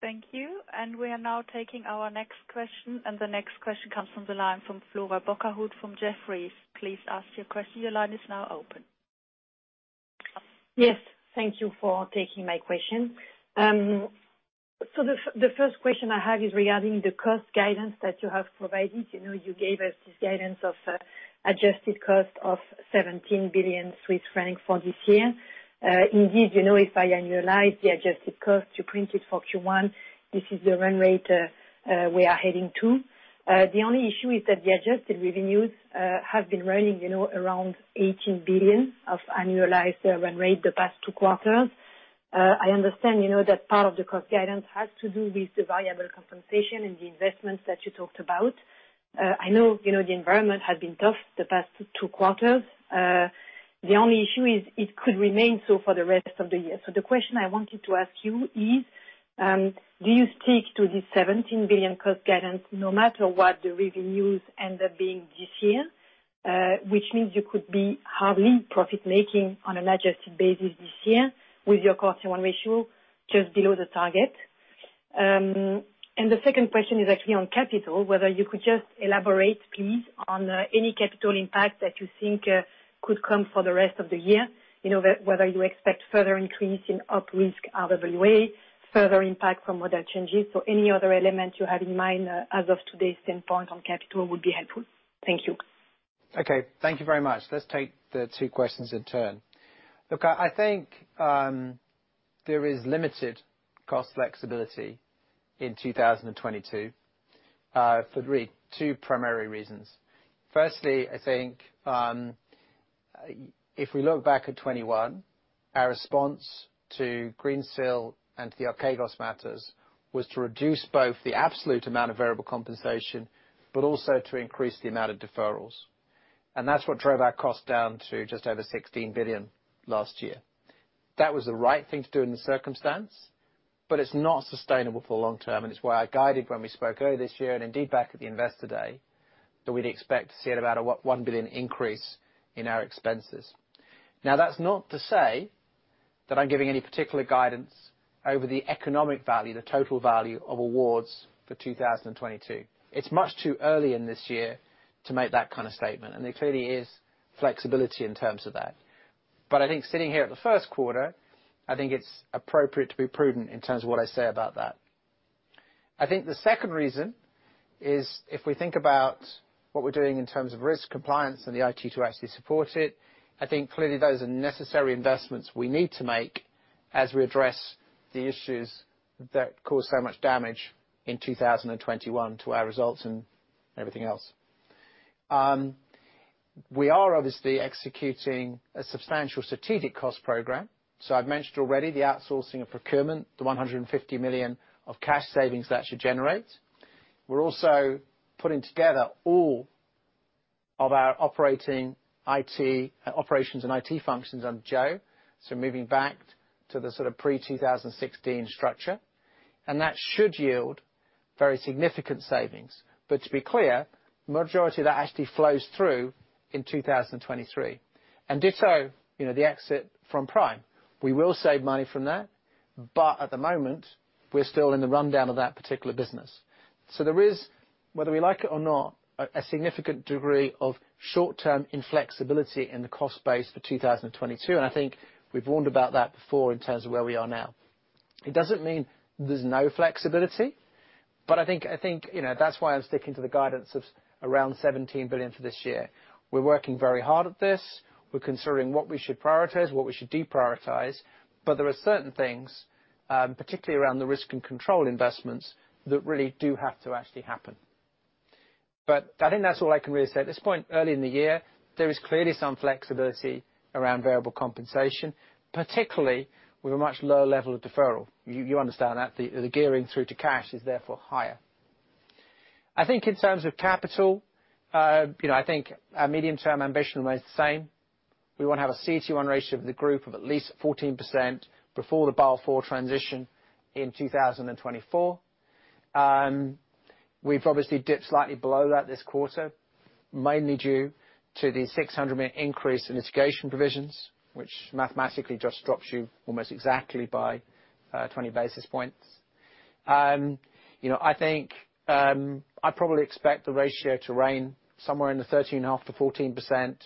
Thank you. We are now taking our next question, and the next question comes from the line from Flora Bocahut from Jefferies. Please ask your question. Your line is now open. Yes. Thank you for taking my question. So the first question I have is regarding the cost guidance that you have provided. You know, you gave us this guidance of adjusted cost of 17 billion Swiss francs for this year. Indeed, you know, if I annualize the adjusted cost you printed for Q1, this is the run rate we are heading to. The only issue is that the adjusted revenues have been running, you know, around 18 billion of annualized run rate the past two quarters. I understand, you know, that part of the cost guidance has to do with the variable compensation and the investments that you talked about. I know, you know, the environment has been tough the past two quarters. The only issue is it could remain so for the rest of the year. The question I wanted to ask you is, do you stick to the 17 billion cost guidance no matter what the revenues end up being this year? Which means you could be hardly profit making on an adjusted basis this year with your cost-to-income ratio just below the target. The second question is actually on capital, whether you could just elaborate, please, on any capital impact that you think could come for the rest of the year. You know, whether you expect further increase in op risk RWA, further impact from other changes, or any other elements you have in mind as of today's standpoint on capital would be helpful. Thank you. Okay. Thank you very much. Let's take the two questions in turn. Look, I think there is limited cost flexibility in 2022 for two primary reasons. Firstly, I think if we look back at 2021, our response to Greensill and to the Archegos matters was to reduce both the absolute amount of variable compensation, but also to increase the amount of deferrals. That's what drove our costs down to just over 16 billion last year. That was the right thing to do in the circumstances, but it's not sustainable for the long term, and it's why I guided when we spoke earlier this year and indeed back at the Investor Day, that we'd expect to see about a 1 billion increase in our expenses. Now, that's not to say that I'm giving any particular guidance over the economic value, the total value of awards for 2022. It's much too early in this year to make that kind of statement, and there clearly is flexibility in terms of that. I think sitting here at the first quarter, I think it's appropriate to be prudent in terms of what I say about that. I think the second reason is if we think about what we're doing in terms of risk compliance and the IT to actually support it, I think clearly those are necessary investments we need to make as we address the issues that caused so much damage in 2021 to our results and everything else. We are obviously executing a substantial strategic cost program. I've mentioned already the outsourcing of procurement, the 150 million of cash savings that should generate. We're also putting together all of our operating IT, operations and IT functions under Joanne Hannaford, so moving back to the sort of pre-2016 structure, and that should yield very significant savings. To be clear, majority of that actually flows through in 2023. Ditto, you know, the exit from Prime. We will save money from that, but at the moment, we're still in the rundown of that particular business. There is, whether we like it or not, a significant degree of short-term inflexibility in the cost base for 2022, and I think we've warned about that before in terms of where we are now. It doesn't mean there's no flexibility, but I think, you know, that's why I'm sticking to the guidance of around 17 billion for this year. We're working very hard at this. We're considering what we should prioritize, what we should deprioritize. There are certain things, particularly around the risk and control investments, that really do have to actually happen. I think that's all I can really say. At this point, early in the year, there is clearly some flexibility around variable compensation, particularly with a much lower level of deferral. You understand that. The gearing through to cash is therefore higher. I think in terms of capital, you know, I think our medium-term ambition remains the same. We wanna have a CET1 ratio of the group of at least 14% before the Basel IV transition in 2024. We've obviously dipped slightly below that this quarter, mainly due to the 600 million increase in litigation provisions, which mathematically just drops you almost exactly by 20 basis points. You know, I think I probably expect the ratio to range somewhere in the 13.5%-14%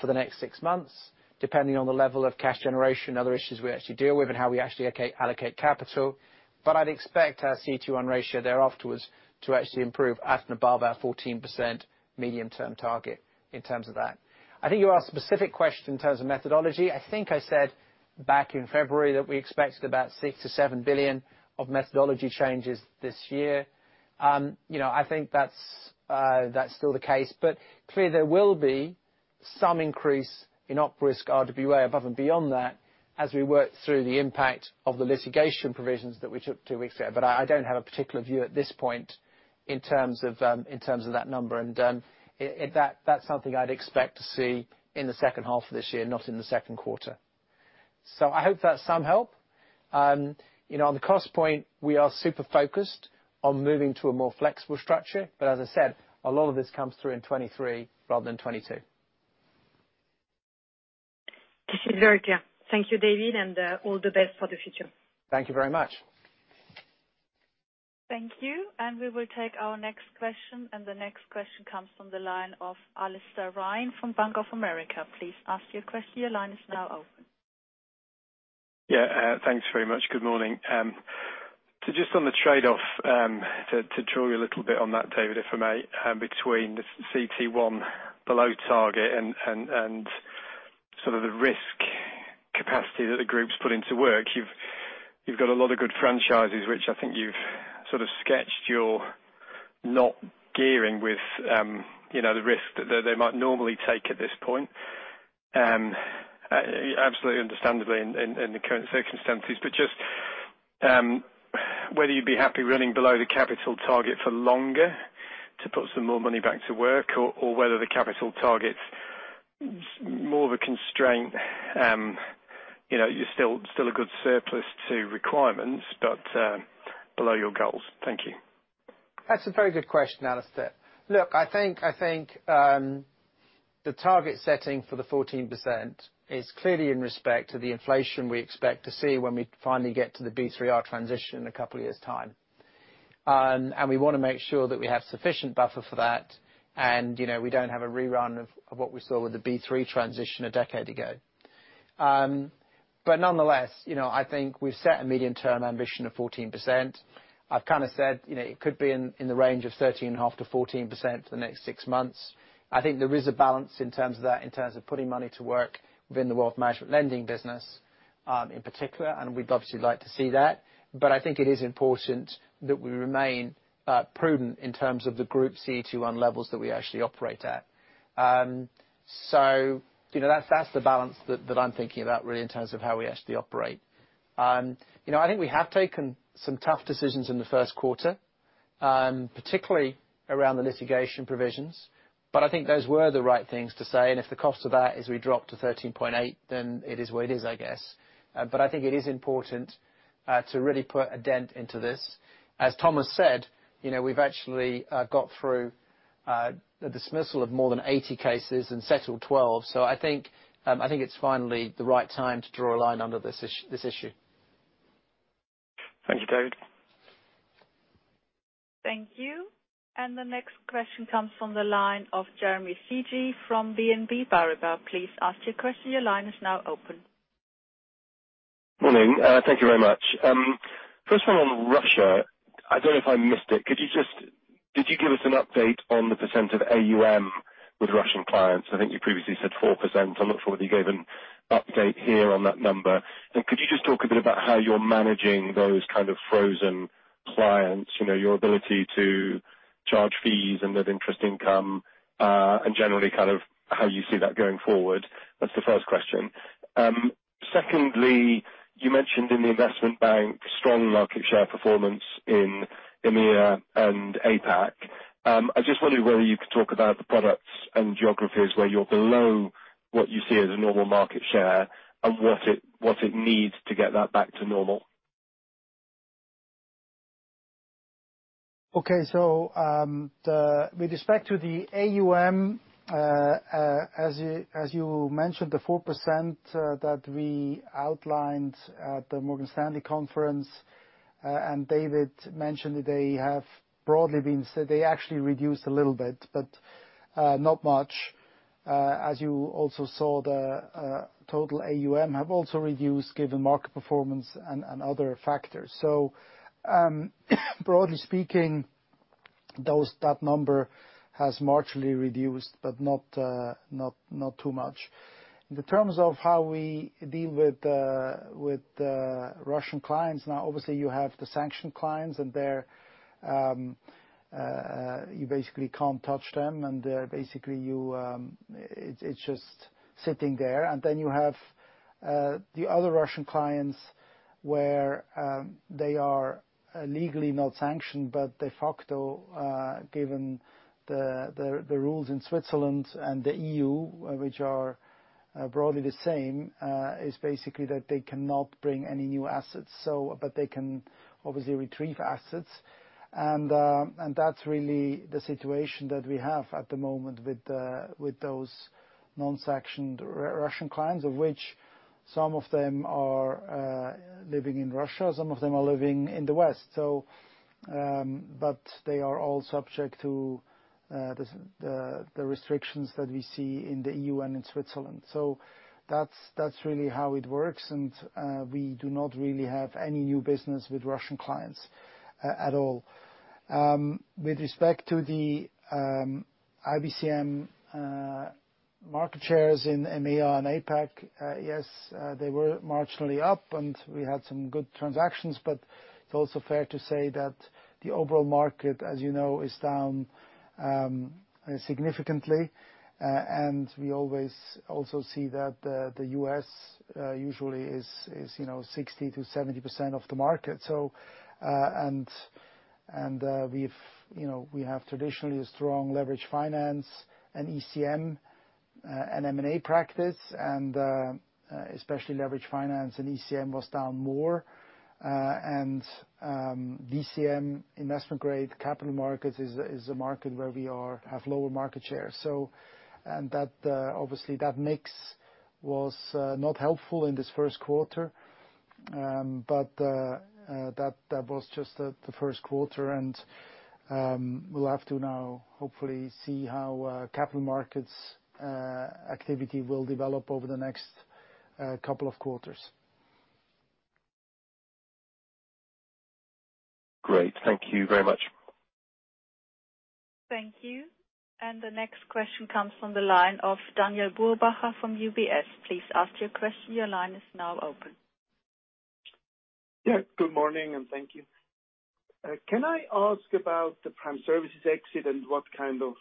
for the next six months, depending on the level of cash generation and other issues we actually deal with and how we actually allocate capital. But I'd expect our CET1 ratio thereafter to actually improve at and above our 14% medium-term target in terms of that. I think you asked a specific question in terms of methodology. I think I said back in February that we expected about 6 billion-7 billion of methodology changes this year. You know, I think that's still the case. Clearly there will be some increase in op risk RWA above and beyond that as we work through the impact of the litigation provisions that we took two weeks ago. I don't have a particular view at this point in terms of that number and in that-- that's something I'd expect to see in the second half of this year, not in the second quarter. I hope that's some help. You know, on the cost point, we are super focused on moving to a more flexible structure, but as I said, a lot of this comes through in 2023 rather than 2022. This is very clear. Thank you, David, and all the best for the future. Thank you very much. Thank you. We will take our next question, and the next question comes from the line of Alastair Ryan from Bank of America. Please ask your question. Your line is now open. Yeah. Thanks very much. Good morning. Just on the trade-off, to draw you a little bit on that, David, if I may, between CET1 below target and sort of the risk capacity that the group's put to work. You've got a lot of good franchises, which I think you've sort of sketched you're not gearing with the risk that they might normally take at this point. Absolutely understandably in the current circumstances. Just whether you'd be happy running below the capital target for longer to put some more money back to work or whether the capital target's more of a constraint? You know, you're still a good surplus to requirements, but below your goals. Thank you. That's a very good question, Alastair. Look, I think the target setting for the 14% is clearly in respect to the inflation we expect to see when we finally get to the B3R transition in a couple of years' time. And we wanna make sure that we have sufficient buffer for that and, you know, we don't have a rerun of what we saw with the B3 transition a decade ago. But nonetheless, you know, I think we've set a medium-term ambition of 14%. I've kind of said, you know, it could be in the range of 13.5%-14% for the next six months. I think there is a balance in terms of that, in terms of putting money to work within the wealth management lending business, in particular, and we'd obviously like to see that. I think it is important that we remain prudent in terms of the Group CET1 levels that we actually operate at. You know, that's the balance that I'm thinking about really in terms of how we actually operate. You know, I think we have taken some tough decisions in the first quarter, particularly around the litigation provisions, but I think those were the right things to say, and if the cost of that is we drop to 13.8%, then it is what it is, I guess. I think it is important to really put a dent into this. As Thomas said, you know, we've actually got through the dismissal of more than 80 cases and settled 12. I think it's finally the right time to draw a line under this issue. Thank you, David. Thank you. The next question comes from the line of Jeremy Sigee from BNP Paribas. Please ask your question. Your line is now open. Morning. Thank you very much. First one on Russia, I don't know if I missed it. Did you give us an update on the percent of AUM with Russian clients? I think you previously said 4%. I'm not sure whether you gave an update here on that number. Could you just talk a bit about how you're managing those kind of frozen clients, you know, your ability to charge fees and with interest income, and generally kind of how you see that going forward? That's the first question. Secondly, you mentioned in the investment bank strong market share performance in EMEA and APAC. I just wondered whether you could talk about the products and geographies where you're below what you see as a normal market share and what it needs to get that back to normal. Okay. With respect to the AUM, as you mentioned, the 4% that we outlined at the Morgan Stanley conference, David mentioned they actually reduced a little bit, but not much. As you also saw the total AUM have also reduced given market performance and other factors. Broadly speaking, that number has marginally reduced, but not too much. In terms of how we deal with Russian clients. Obviously, you have the sanctioned clients and they're you basically can't touch them, and they're basically you. It's just sitting there. Then you have the other Russian clients where they are legally not sanctioned, but de facto, given the rules in Switzerland and the EU, which are broadly the same, is basically that they cannot bring any new assets, so but they can obviously retrieve assets. That's really the situation that we have at the moment with those non-sanctioned Russian clients, of which some of them are living in Russia, some of them are living in the West. But they are all subject to the restrictions that we see in the EU and in Switzerland. That's really how it works and we do not really have any new business with Russian clients at all. With respect to the IBCM market shares in EMEA and APAC, yes, they were marginally up, and we had some good transactions, but it's also fair to say that the overall market, as you know, is down significantly. We always also see that the U.S. usually is, you know, 60%-70% of the market. We've, you know, we have traditionally a strong leveraged finance and ECM and M&A practice and, especially leveraged finance and ECM was down more. DCM investment grade capital markets is a market where we have lower market share. That obviously makes it not helpful in this first quarter. That was just the first quarter. We'll have to now hopefully see how capital markets activity will develop over the next couple of quarters. Great. Thank you very much. Thank you. The next question comes from the line of Daniele Brupbacher from UBS. Please ask your question. Your line is now open. Yeah, good morning, and thank you. Can I ask about the Prime Services exit and what kind of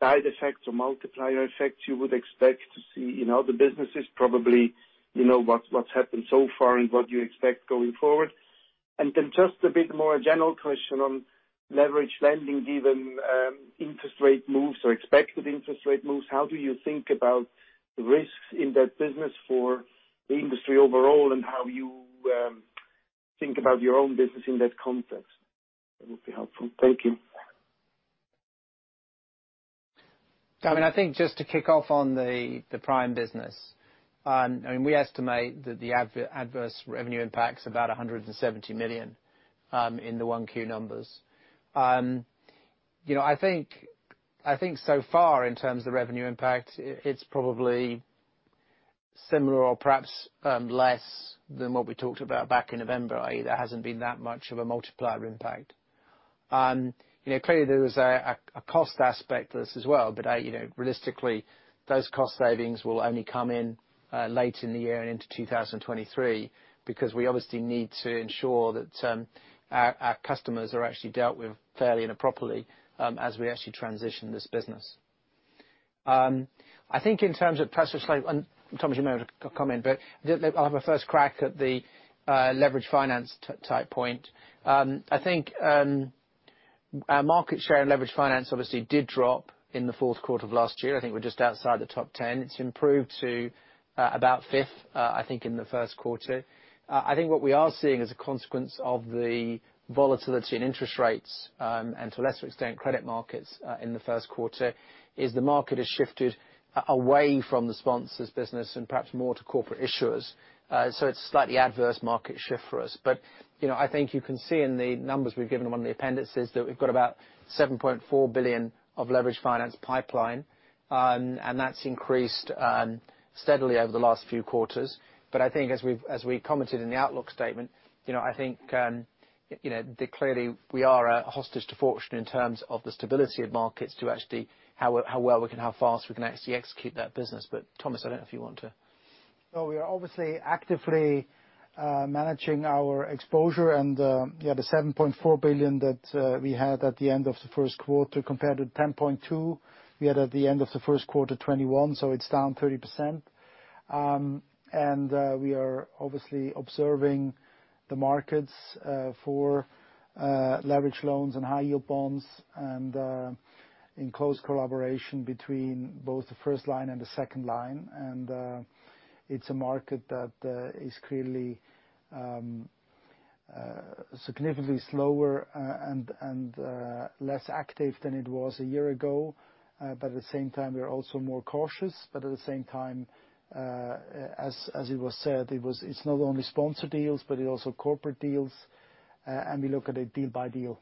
side effects or multiplier effects you would expect to see in other businesses? Probably, you know, what's happened so far and what you expect going forward. Just a bit more a general question on leveraged lending given interest rate moves or expected interest rate moves. How do you think about the risks in that business for the industry overall, and how you think about your own business in that context? That would be helpful. Thank you. I mean, I think just to kick off on the Prime business. I mean, we estimate that the adverse revenue impact's about $170 million in the 1Q numbers. You know, I think so far in terms of revenue impact, it's probably similar or perhaps less than what we talked about back in November i.e., there hasn't been that much of a multiplier impact. You know, clearly there is a cost aspect to this as well. You know, realistically, those cost savings will only come in late in the year and into 2023, because we obviously need to ensure that our customers are actually dealt with fairly and properly as we actually transition this business. I think in terms of price slope, and Thomas, you may want to comment, but I'll have a first crack at the leverage finance type point. I think our market share in leveraged finance obviously did drop in the fourth quarter of last year. I think we're just outside the top 10. It's improved to about fifth, I think, in the first quarter. I think what we are seeing as a consequence of the volatility in interest rates and to lesser extent, credit markets in the first quarter, is the market has shifted away from the sponsors business and perhaps more to corporate issuers. It's a slightly adverse market shift for us. You know, I think you can see in the numbers we've given on the appendices that we've got about $7.4 billion of leveraged finance pipeline. And that's increased steadily over the last few quarters. I think as we commented in the outlook statement, you know, I think, you know, that clearly we are a hostage to fortune in terms of the stability of markets to actually how well we can, how fast we can actually execute that business. Thomas, I don't know if you want to. No, we are obviously actively managing our exposure. The $7.4 billion that we had at the end of the first quarter compared to $10.2 billion we had at the end of the first quarter 2021, so it's down 30%. We are obviously observing the markets for leveraged loans and high yield bonds in close collaboration between both the first line and the second line. It's a market that is clearly significantly slower and less active than it was a year ago. At the same time, we are also more cautious. At the same time, as it was said, it's not only sponsor deals, but it also corporate deals. We look at it deal by deal.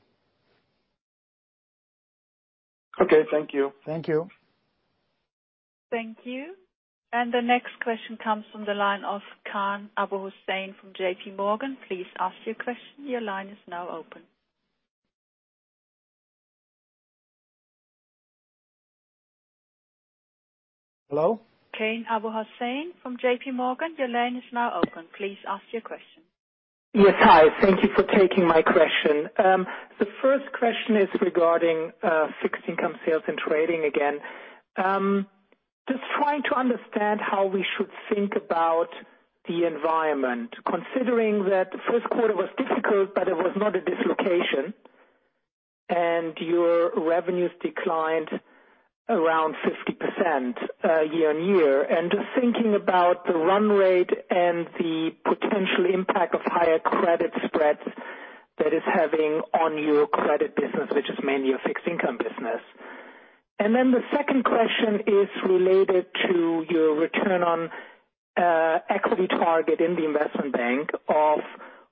Okay. Thank you. Thank you. Thank you. The next question comes from the line of Kian Abouhossein from JPMorgan. Please ask your question. Your line is now open. Hello? Kian Abouhossein from JPMorgan, your line is now open. Please ask your question. Yes. Hi. Thank you for taking my question. The first question is regarding fixed income sales and trading again. Just trying to understand how we should think about the environment, considering that first quarter was difficult, but it was not a dislocation, and your revenues declined around 50% year-on-year. Just thinking about the run rate and the potential impact of higher credit spreads that is having on your credit business, which is mainly a fixed income business. Then the second question is related to your return on equity target in the investment bank of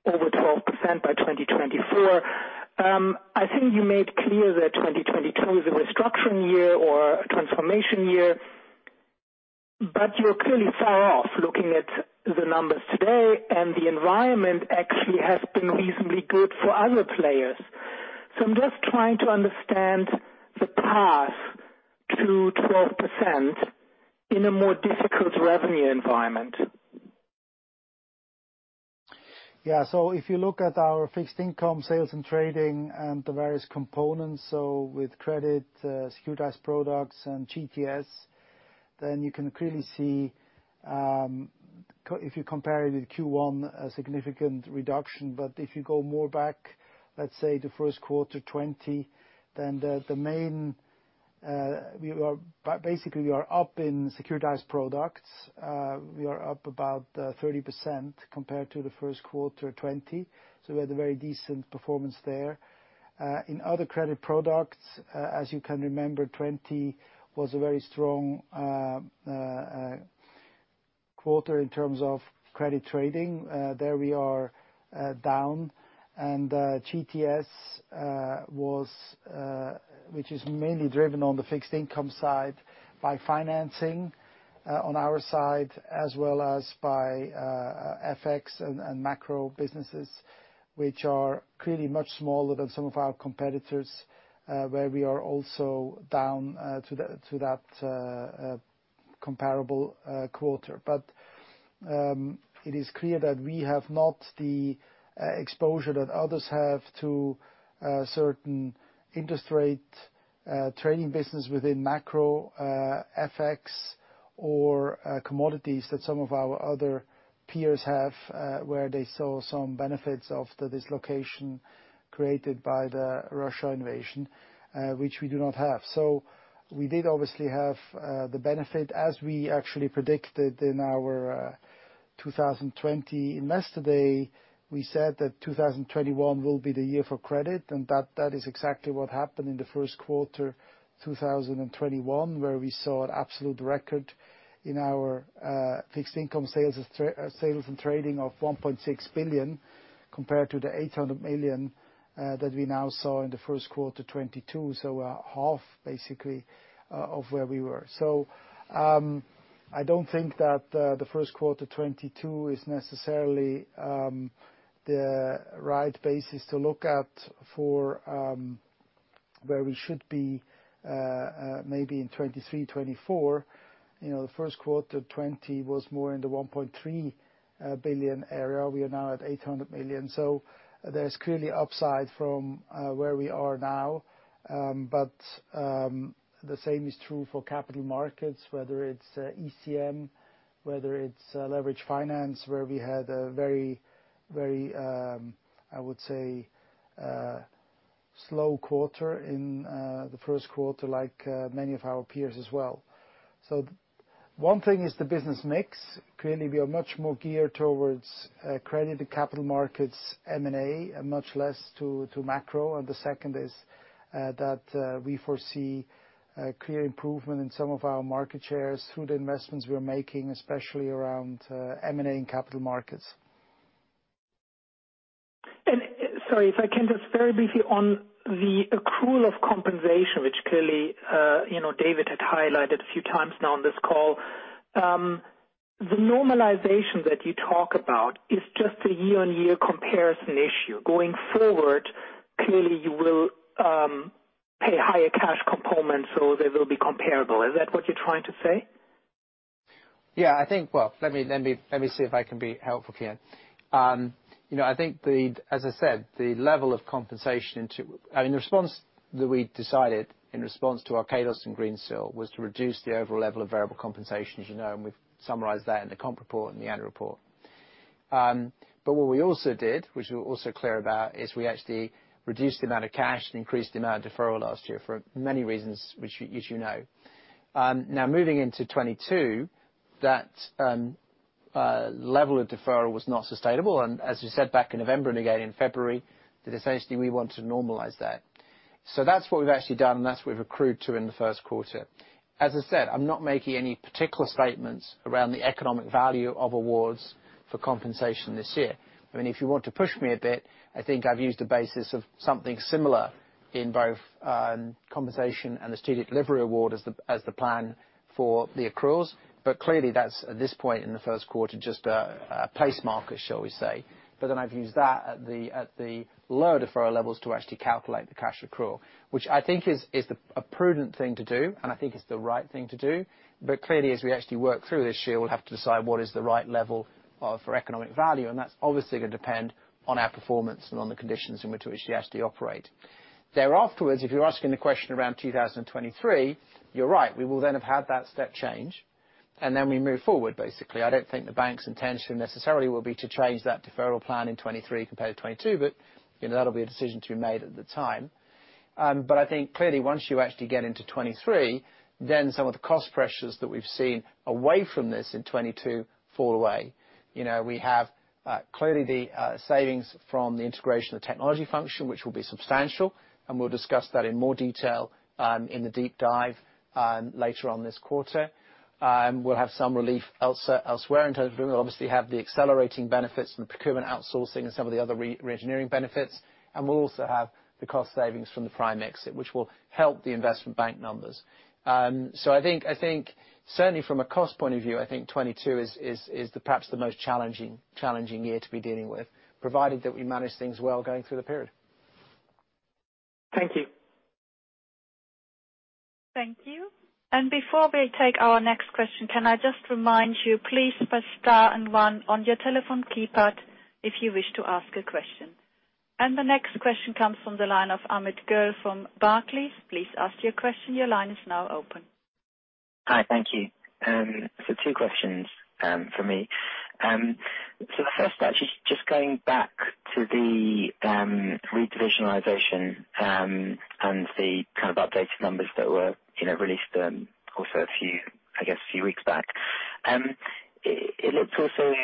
over 12% by 2024. I think you made clear that 2022 is a restructuring year or a transformation year, but you're clearly far off looking at the numbers today, and the environment actually has been reasonably good for other players. I'm just trying to understand the path to 12% in a more difficult revenue environment. Yeah. If you look at our fixed income sales and trading and the various components, with credit, securitized products and GTS, then you can clearly see if you compare it with Q1, a significant reduction. If you go more back, let's say the first quarter 2020, then the main. We are basically up in securitized products. We are up about 30% compared to the first quarter 2020, so we had a very decent performance there. In other credit products, as you can remember, 2020 was a very strong quarter in terms of credit trading, there we are down. GTS, which is mainly driven on the fixed income side by financing on our side, as well as by FX and macro businesses, which are clearly much smaller than some of our competitors, where we are also down to that comparable quarter. It is clear that we have not the exposure that others have to certain interest rate trading business within macro, FX or commodities that some of our other peers have, where they saw some benefits of the dislocation created by the Russian invasion, which we do not have. We did obviously have the benefit as we actually predicted in our 2020 Investor Day. We said that 2021 will be the year for credit, and that is exactly what happened in the first quarter 2021, where we saw an absolute record in our fixed income sales and trading of $1.6 billion, compared to the $800 million that we now saw in the first quarter 2022. I don't think that the first quarter 2022 is necessarily the right basis to look at for where we should be maybe in 2023, 2024. You know, the first quarter 2020 was more in the $1.3 billion area. We are now at $800 million. There's clearly upside from where we are now. The same is true for capital markets, whether it's ECM, whether it's leveraged finance, where we had a very slow quarter in the first quarter like many of our peers as well. One thing is the business mix. Clearly, we are much more geared towards credit to capital markets, M&A, and much less to macro. The second is that we foresee a clear improvement in some of our market shares through the investments we're making, especially around M&A and capital markets. Sorry, if I can just very briefly on the accrual of compensation, which clearly, you know, David had highlighted a few times now on this call. The normalization that you talk about is just a year-on-year comparison issue. Going forward, clearly you will pay higher cash components, so they will be comparable. Is that what you're trying to say? Yeah, I think. Well, let me see if I can be helpful here. You know, I think the, as I said, the level of compensation. The response that we decided in response to Archegos and Greensill was to reduce the overall level of variable compensation, as you know, and we've summarized that in the comp report and the annual report. What we also did, which we're also clear about, is we actually reduced the amount of cash and increased the amount of deferral last year for many reasons, which, as you know. Now moving into 2022, that level of deferral was not sustainable. As you said back in November and again in February, that essentially we want to normalize that. That's what we've actually done, and that's what we've accrued to in the first quarter. As I said, I'm not making any particular statements around the economic value of awards for compensation this year. I mean, if you want to push me a bit, I think I've used a basis of something similar in both, compensation and the strategic delivery award as the plan for the accruals. But clearly that's, at this point in the first quarter, just a place marker, shall we say. But then I've used that at the lower deferral levels to actually calculate the cash accrual, which I think is a prudent thing to do, and I think it's the right thing to do. But clearly, as we actually work through this year, we'll have to decide what is the right level for economic value, and that's obviously gonna depend on our performance and on the conditions in which we actually operate. There afterwards, if you're asking the question around 2023, you're right. We will then have had that step change, and then we move forward, basically. I don't think the bank's intention necessarily will be to change that deferral plan in 2023 compared to 2022, but, you know, that'll be a decision to be made at the time. I think clearly once you actually get into 2023, then some of the cost pressures that we've seen away from this in 2022 fall away. You know, we have clearly the savings from the integration of technology function, which will be substantial, and we'll discuss that in more detail in the deep dive later on this quarter. We'll have some relief elsewhere in terms of we'll obviously have the accelerating benefits from procurement outsourcing and some of the other reengineering benefits. We'll also have the cost savings from the Prime exit, which will help the investment bank numbers. I think certainly from a cost point of view, I think 2022 is perhaps the most challenging year to be dealing with, provided that we manage things well going through the period. Thank you. Thank you. Before we take our next question, can I just remind you, please press star and one on your telephone keypad if you wish to ask a question. The next question comes from the line of Amit Goel from Barclays. Please ask your question. Your line is now open. Hi. Thank you. Two questions from me. The first actually just going back to the redivisionalization and the kind of updated numbers that were, you know, released also a few, I guess, a few weeks back. It looked also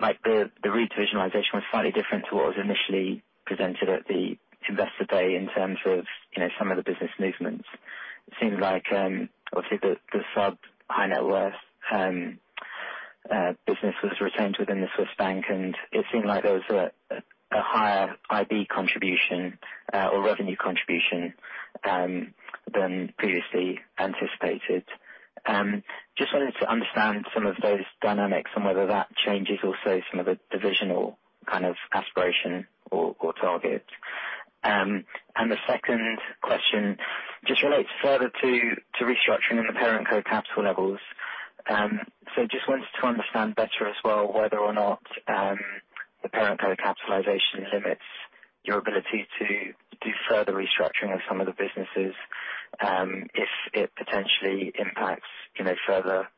like the redivisionalization was slightly different to what was initially presented at the Investor Day in terms of, you know, some of the business movements. It seemed like obviously the sub high net worth business was retained within the Swiss bank, and it seemed like there was a higher IB contribution or revenue contribution than previously anticipated. Just wanted to understand some of those dynamics and whether that changes also some of the divisional kind of aspiration or targets. The second question just relates further to restructuring in the parent co capital levels. So just wanted to understand better as well, whether or not the parent kind of capitalization limits your ability to do further restructuring of some of the businesses, if it potentially impacts, you know, further,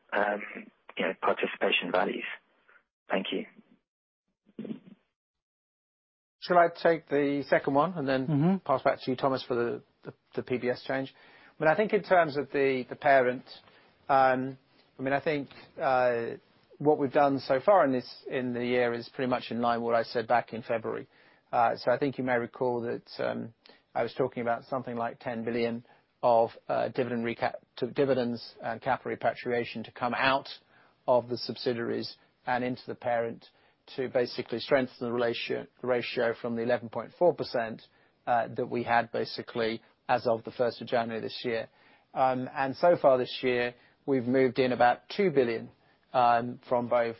you know, participation values. Thank you. Shall I take the second one? Mm-hmm. then pass back to you, Thomas, for the PBS change? I think in terms of the parent, I mean, I think what we've done so far in the year is pretty much in line with what I said back in February. I think you may recall that, I was talking about something like 10 billion of dividends and capital repatriation to come out of the subsidiaries and into the parent to basically strengthen the ratio from the 11.4% that we had basically as of the January 1st this year. So far this year, we've moved in about 2 billion from both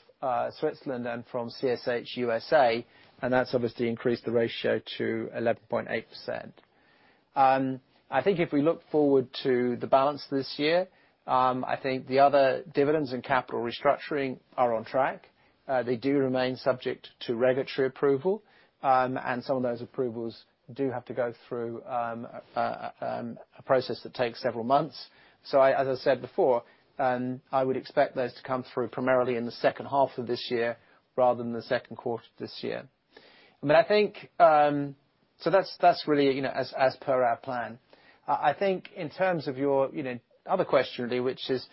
Switzerland and from CSH USA, and that's obviously increased the ratio to 11.8%. I think if we look forward to the balance this year, I think the other dividends and capital restructuring are on track. They do remain subject to regulatory approval. Some of those approvals do have to go through a process that takes several months. As I said before, I would expect those to come through primarily in the second half of this year rather than the second quarter this year. I mean, I think. That's really, you know, as per our plan. I think in terms of your, you know, other question, Lee, which is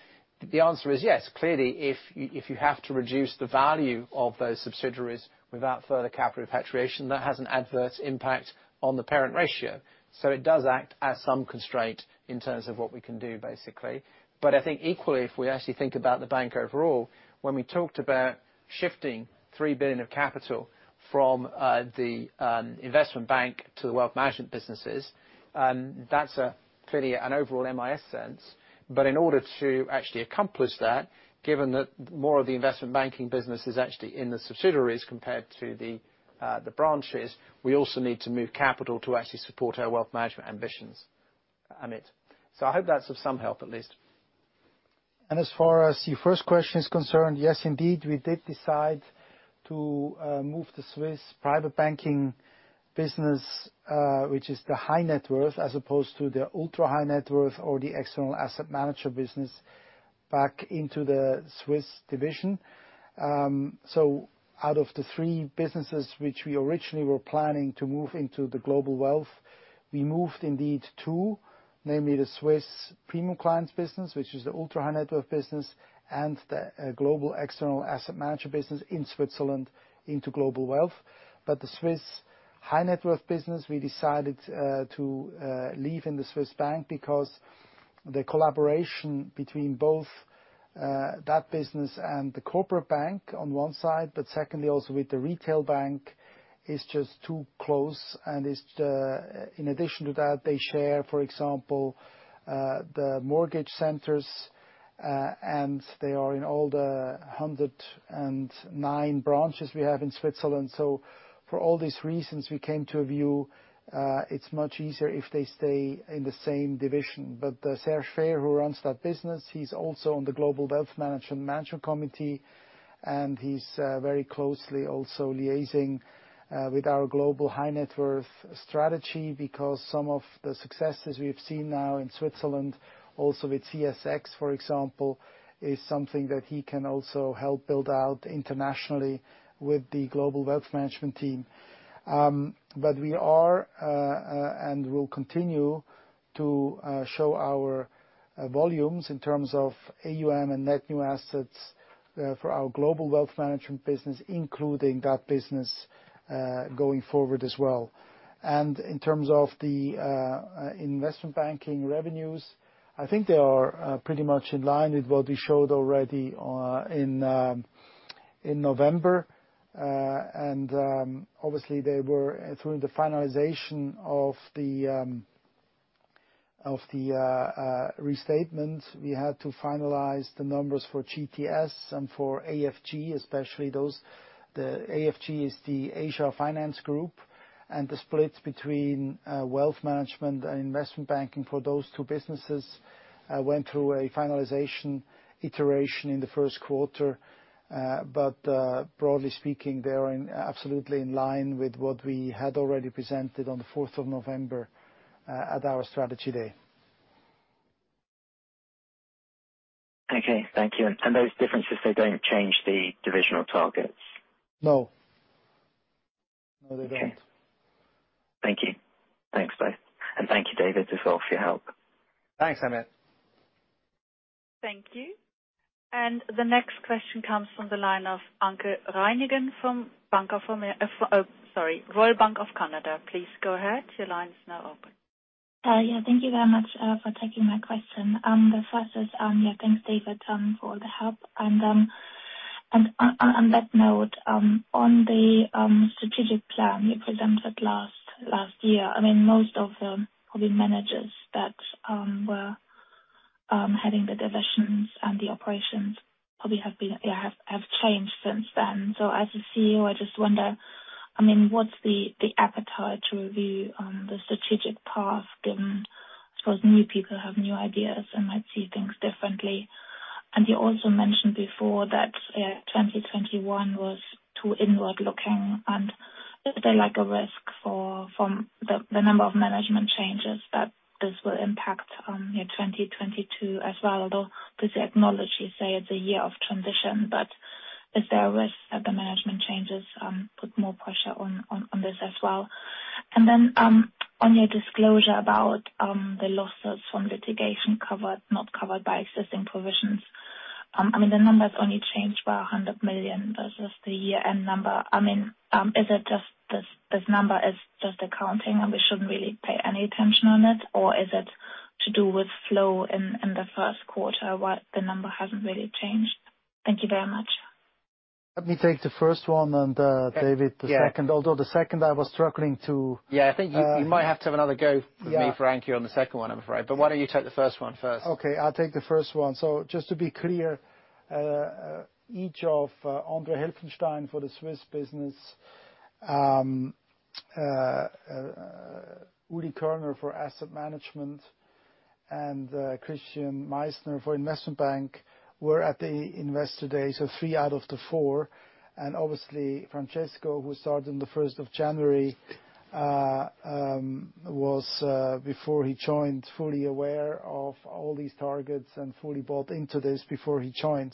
the answer is yes. Clearly, if you have to reduce the value of those subsidiaries without further capital repatriation, that has an adverse impact on the parent ratio. It does act as some constraint in terms of what we can do, basically. But I think equally, if we actually think about the bank overall, when we talked about shifting 3 billion of capital from the investment bank to the wealth management businesses, that's clearly an overall makes sense. But in order to actually accomplish that, given that more of the investment banking business is actually in the subsidiaries compared to the branches, we also need to move capital to actually support our wealth management ambitions, Amit. I hope that's of some help, at least. As far as your first question is concerned, yes, indeed, we did decide to move the Swiss private banking business, which is the high net worth, as opposed to the ultra-high net worth or the external asset manager business, back into the Swiss division. Out of the three businesses which we originally were planning to move into the global wealth, we moved indeed two, namely the Swiss premium clients business, which is the ultra-high net worth business, and the global external asset management business in Switzerland into global wealth. The Swiss high net worth business, we decided to leave in the Swiss bank because the collaboration between both that business and the corporate bank on one side, but secondly, also with the retail bank, is just too close. In addition to that, they share, for example, the mortgage centers, and they are in all the 109 branches we have in Switzerland. For all these reasons, we came to a view, it's much easier if they stay in the same division. Serge Fehr, who runs that business, he's also on the Global Wealth Management Committee, and he's very closely also liaising with our global high net worth strategy, because some of the successes we've seen now in Switzerland, also with CSX, for example, is something that he can also help build out internationally with the global wealth management team. We are and will continue to show our volumes in terms of AUM and net new assets for our global wealth management business, including that business going forward as well. In terms of the investment banking revenues, I think they are pretty much in line with what we showed already in November. Obviously they were through the finalization of the restatement. We had to finalize the numbers for GTS and for AFG, especially those. The AFG is the APAC Financing Group. The split between wealth management and investment banking for those two businesses went through a finalization iteration in the first quarter. Broadly speaking, they are absolutely in line with what we had already presented on the November 4th at our strategy day. Okay, thank you. Those differences, they don't change the divisional targets? No, they don't. Okay. Thank you. Thanks, both. Thank you, David, as well for your help. Thanks, Amit. Thank you. The next question comes from the line of Anke Reingen from Royal Bank of Canada. Please go ahead. Your line is now open. Yeah, thank you very much for taking my question. The first is, yeah, thanks, David, for all the help. On that note, on the strategic plan you presented last year, I mean, most of the probably managers that were heading the divisions and the operations probably have changed since then. As a CEO, I just wonder, I mean, what's the appetite to review the strategic path, given I suppose new people have new ideas and might see things differently. You also mentioned before that 2021 was too inward-looking, and is there like a risk from the number of management changes that this will impact your 2022 as well? Although obviously acknowledged, you say it's a year of transition, but is there a risk that the management changes put more pressure on this as well? Then, on your disclosure about the losses from litigation not covered by existing provisions, I mean, the numbers only changed by 100 million versus the year-end number. I mean, is it just this number is just accounting and we shouldn't really pay any attention on it, or is it to do with flow in the first quarter why the number hasn't really changed? Thank you very much. Let me take the first one and, Yeah. David, the second. Although the second I was struggling to. Yeah, I think you might have to have another go- Yeah. with me Anke on the second one, I'm afraid. Why don't you take the first one first? Okay, I'll take the first one. Just to be clear, each of André Helfenstein for the Swiss business, Ulrich Körner for asset management, and Christian Meissner for investment bank were at the Investor Day, so three out of the four. Obviously Francesco, who started on the January 1st, was before he joined fully aware of all these targets and fully bought into this before he joined.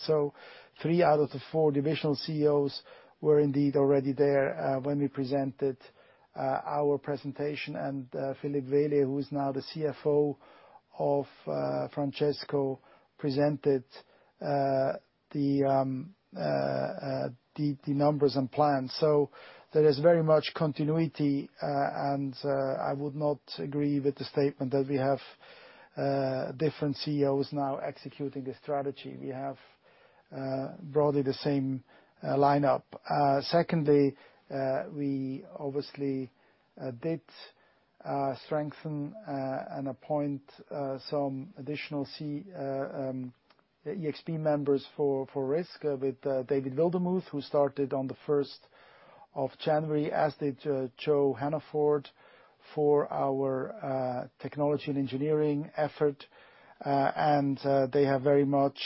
Three out of the four divisional CEOs were indeed already there when we presented our presentation. Philipp Wehle, who is now the CFO of Francesco, presented the numbers and plans. There is very much continuity. I would not agree with the statement that we have different CEOs now executing the strategy. We have broadly the same lineup. Secondly, we obviously did strengthen and appoint some additional ExB members for risk with David Wildermuth, who started on the January 1st, as did Joanne Hannaford for our technology and engineering effort. They have very much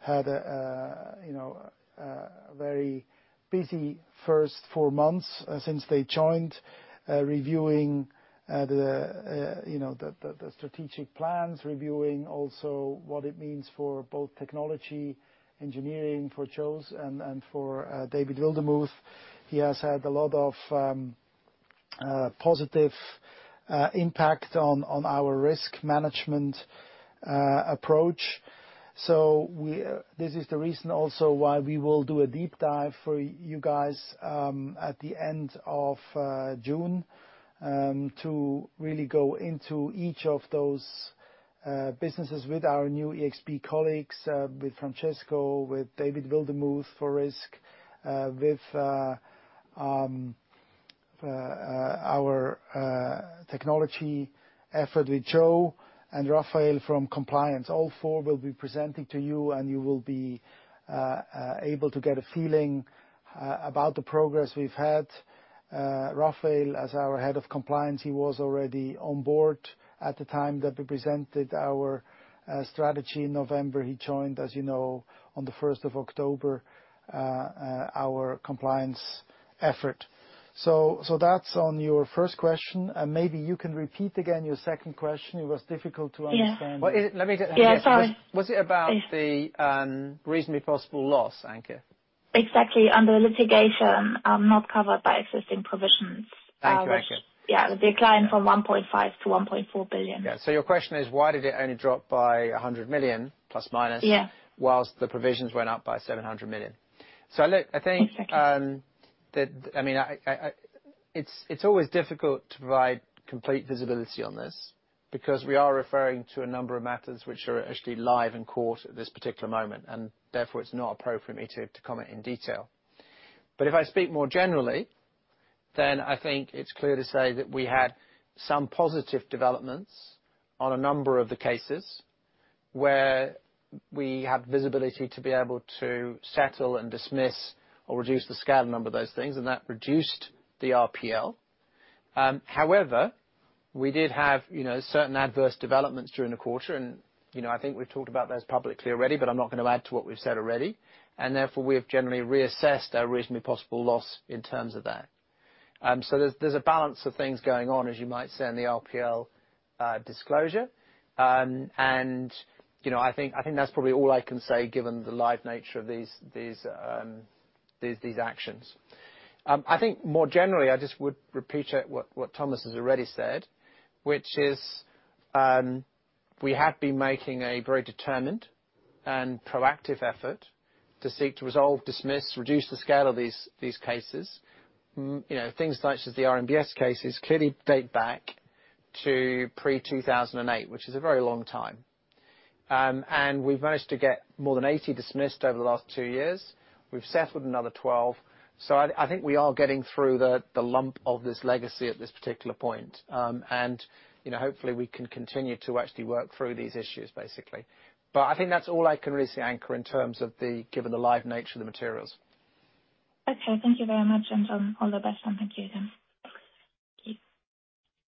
had, you know, a very busy first four months since they joined, reviewing the, you know, the strategic plans, reviewing also what it means for both technology, engineering for Jo's, and for David Wildermuth. He has had a lot of positive impact on our risk management approach. This is the reason also why we will do a deep dive for you guys at the end of June to really go into each of those businesses with our new ExB colleagues, with Francesco, with David Wildermuth for risk, with our technology effort with Jo and Rafael from compliance. All four will be presenting to you, and you will be able to get a feeling about the progress we've had. Rafael, as our head of compliance, he was already on board at the time that we presented our strategy in November. He joined, as you know, on the first of October our compliance effort. That's on your first question. Maybe you can repeat again your second question. It was difficult to understand. Yeah. Well. Yeah, sorry. Was it about the reasonably possible loss, Anke? Exactly. Under litigation, not covered by existing provisions. Thank you, Anke. Yeah. The decline from 1.5 billion to 1.4 billion. Yeah. Your question is, why did it only drop by 100 million ±? Yeah. While the provisions went up by 700 million. Look, I think, Thank you. I mean, it's always difficult to provide complete visibility on this because we are referring to a number of matters which are actually live in court at this particular moment, and therefore it's not appropriate for me to comment in detail. If I speak more generally, then I think it's clear to say that we had some positive developments on a number of the cases, where we have visibility to be able to settle and dismiss or reduce the scale number of those things, and that reduced the RPL. However, we did have, you know, certain adverse developments during the quarter, and, you know, I think we've talked about those publicly already, but I'm not gonna add to what we've said already. Therefore, we have generally reassessed our reasonably possible loss in terms of that. There's a balance of things going on, as you might say, in the RPL disclosure. You know, I think that's probably all I can say given the live nature of these actions. I think more generally, I just would repeat what Thomas has already said, which is we have been making a very determined and proactive effort to seek to resolve, dismiss, reduce the scale of these cases. You know, things such as the RMBS cases clearly date back to pre-2008, which is a very long time. We've managed to get more than 80 dismissed over the last two years. We've settled another 12. I think we are getting through the lump of this legacy at this particular point. You know, hopefully we can continue to actually work through these issues, basically. I think that's all I can really say, Anke, in terms of, given the live nature of the materials. Okay, thank you very much and, all the best. Thank you again. Okay.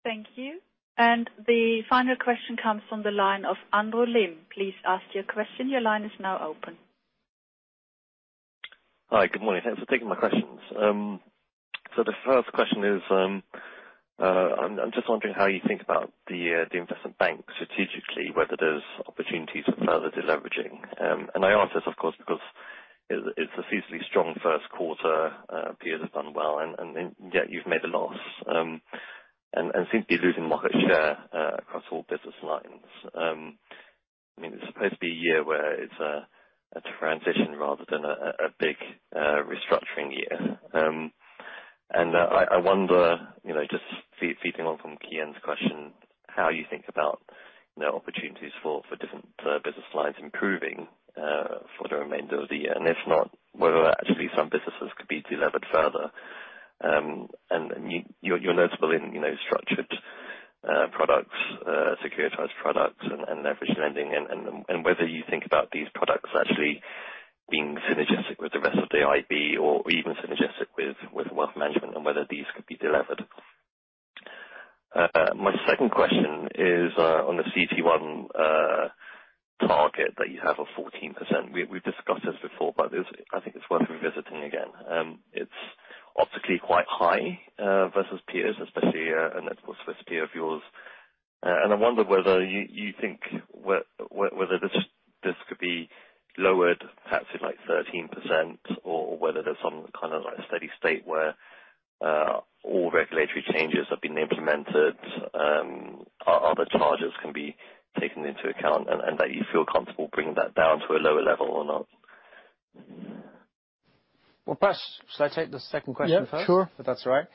Thank you. The final question comes from the line of Andrew Lim. Please ask your question. Your line is now open. Hi. Good morning. Thanks for taking my questions. So the first question is, I'm just wondering how you think about the investment bank strategically, whether there's opportunities for further deleveraging. I ask this, of course, because it's visibly strong first quarter period as well, and yet you've made a loss, and seem to be losing market share across all business lines. I mean, it's supposed to be a year where it's a transition rather than a big restructuring year. I wonder, you know, just following on from Kian's question, how you think about the opportunities for different business lines improving for the remainder of the year. If not, whether actually some businesses could be delevered further. You're notable in, you know, structured products, securitized products and leveraged lending and whether you think about these products actually being synergistic with the rest of the IB or even synergistic with wealth management and whether these could be delevered. My second question is on the CET1 target that you have of 14%. We've discussed this before, but it's. I think it's worth revisiting again. It's optically quite high versus peers, especially a notable Swiss peer of yours. I wonder whether you think whether this could be lowered perhaps to, like, 13% or whether there's some kind of, like, steady state where all regulatory changes have been implemented, other charges can be taken into account and that you feel comfortable bringing that down to a lower level or not. Well, first, should I take the second question first? Yeah, sure. If that's all right.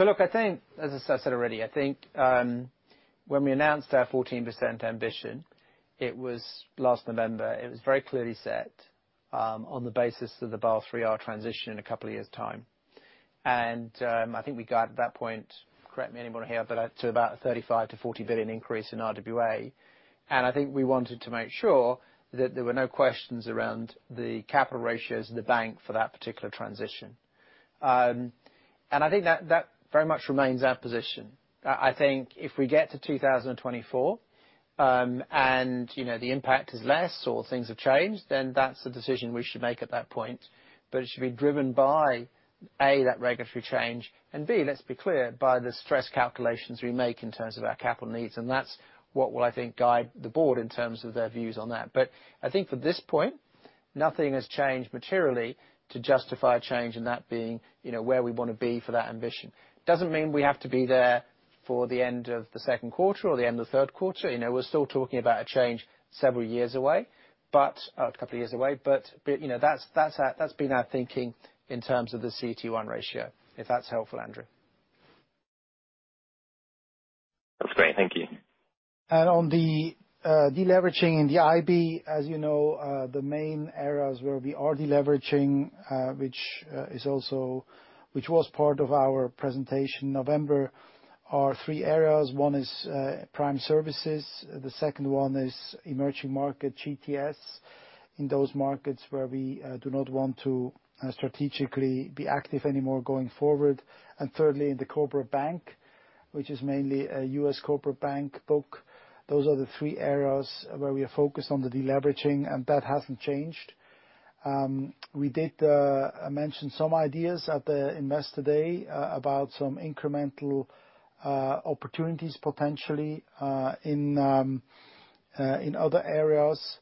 Look, I think, as I said already, I think, when we announced our 14% ambition, it was last November. It was very clearly set, on the basis of the Basel III transition in a couple of years' time. I think we got at that point, correct me anyone here, but up to about 35 billion-40 billion increase in RWA. I think we wanted to make sure that there were no questions around the capital ratios of the bank for that particular transition. I think that very much remains our position. I think if we get to 2024, you know, the impact is less or things have changed, then that's the decision we should make at that point. It should be driven by, A, that regulatory change, and B, let's be clear, by the stress calculations we make in terms of our capital needs, and that's what will, I think, guide the board in terms of their views on that. I think at this point, nothing has changed materially to justify a change in that being, you know, where we wanna be for that ambition. Doesn't mean we have to be there for the end of the second quarter or the end of the third quarter. You know, we're still talking about a change several years away, but a couple of years away. You know, that's our, that's been our thinking in terms of the CET1 ratio, if that's helpful, Andrew. That's great. Thank you. On the deleveraging in the IB, as you know, the main areas where we are deleveraging, which was part of our presentation in November, are three areas. One is Prime Services. The second one is emerging markets GTS in those markets where we do not want to strategically be active anymore going forward. Thirdly, in the corporate bank, which is mainly a U.S. corporate bank book. Those are the three areas where we are focused on the deleveraging, and that hasn't changed. We did mention some ideas at the Investor Day about some incremental opportunities potentially in other areas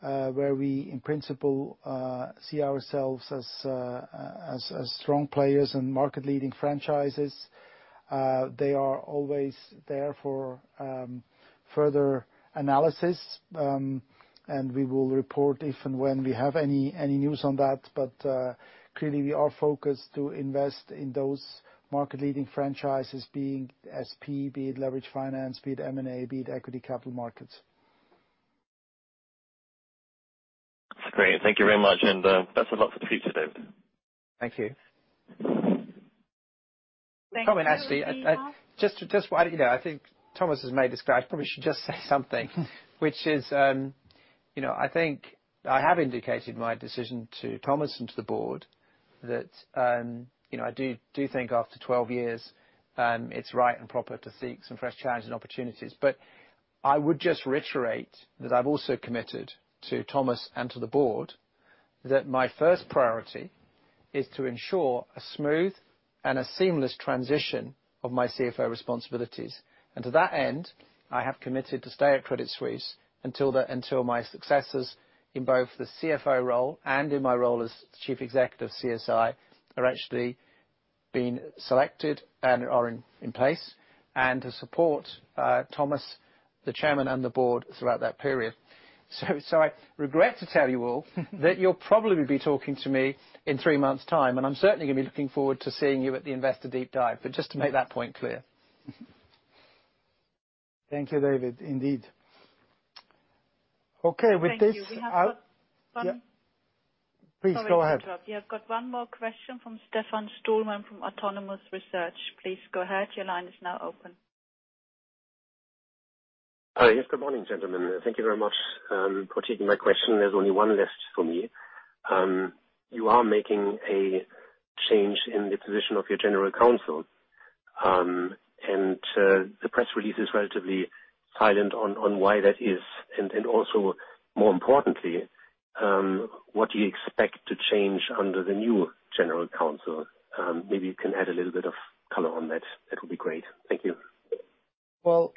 where we in principle see ourselves as strong players and market-leading franchises. They are always there for further analysis, and we will report if and when we have any news on that. Clearly we are focused to invest in those market-leading franchises being SP, be it leveraged finance, be it M&A, be it equity capital markets. That's great. Thank you very much. Best of luck for the future, Dave. Thank you. Thank you. Actually, just while, you know, I think Thomas has made this clear, I probably should just say something. Which is, you know, I think I have indicated my decision to Thomas and to the board that, you know, I do think after 12 years, it's right and proper to seek some fresh challenges and opportunities. I would just reiterate that I've also committed to Thomas and to the board that my first priority is to ensure a smooth and a seamless transition of my CFO responsibilities. To that end, I have committed to stay at Credit Suisse until my successors in both the CFO role and in my role as Chief Executive of CSI are actually been selected and are in place and to support Thomas, the Chairman and the Board throughout that period. I regret to tell you all that you'll probably be talking to me in three months' time, and I'm certainly gonna be looking forward to seeing you at the Investor Deep Dive. Just to make that point clear. Thank you, David. Indeed. Okay. Thank you. Please go ahead. Sorry to interrupt. We have got one more question from Stefan Stalmann from Autonomous Research. Please go ahead. Your line is now open. Yes. Good morning, gentlemen. Thank you very much for taking my question. There's only one left for me. You are making a change in the position of your General Counsel. The press release is relatively silent on why that is, and also, more importantly, what do you expect to change under the new General Counsel? Maybe you can add a little bit of color on that. That would be great. Thank you. Well,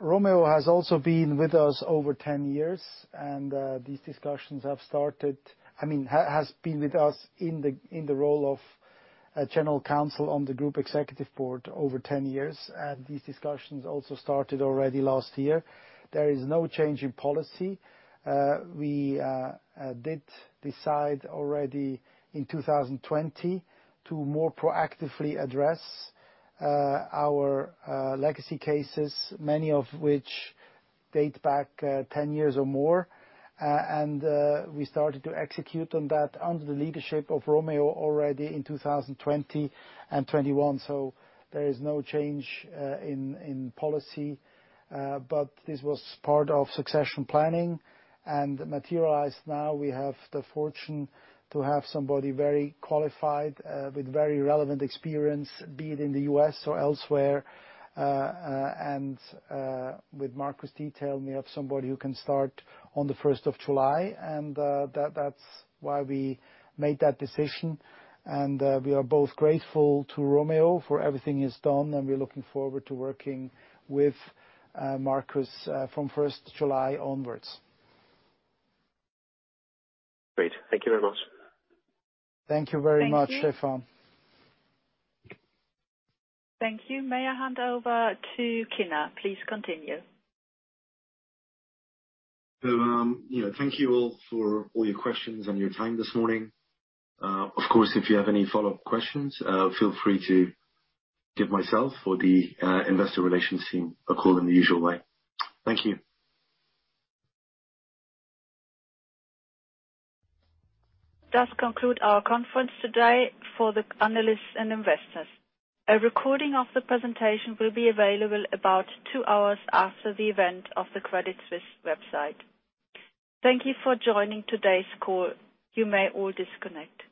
Romeo has also been with us over 10 years, and these discussions have started. I mean, has been with us in the role of a General Counsel on the Group Executive Board over 10 years, and these discussions also started already last year. There is no change in policy. We did decide already in 2020 to more proactively address our legacy cases, many of which date back 10 years or more. We started to execute on that under the leadership of Romeo already in 2020 and 2021. There is no change in policy. This was part of succession planning and materialized now. We have the fortune to have somebody very qualified, with very relevant experience, be it in the U.S. or elsewhere, and with Markus Diethelm, we have somebody who can start on the July 1st. That's why we made that decision. We are both grateful to Romeo for everything he's done, and we're looking forward to working with Markus Diethelm from July 1st onwards. Great. Thank you very much. Thank you very much. Thank you. Stefan. Thank you. May I hand over to Kinner. Please continue. You know, thank you all for all your questions and your time this morning. Of course, if you have any follow-up questions, feel free to give myself or the investor relations team a call in the usual way. Thank you. This concludes our conference today for the analysts and investors. A recording of the presentation will be available about two hours after the event on the Credit Suisse website. Thank you for joining today's call. You may all disconnect.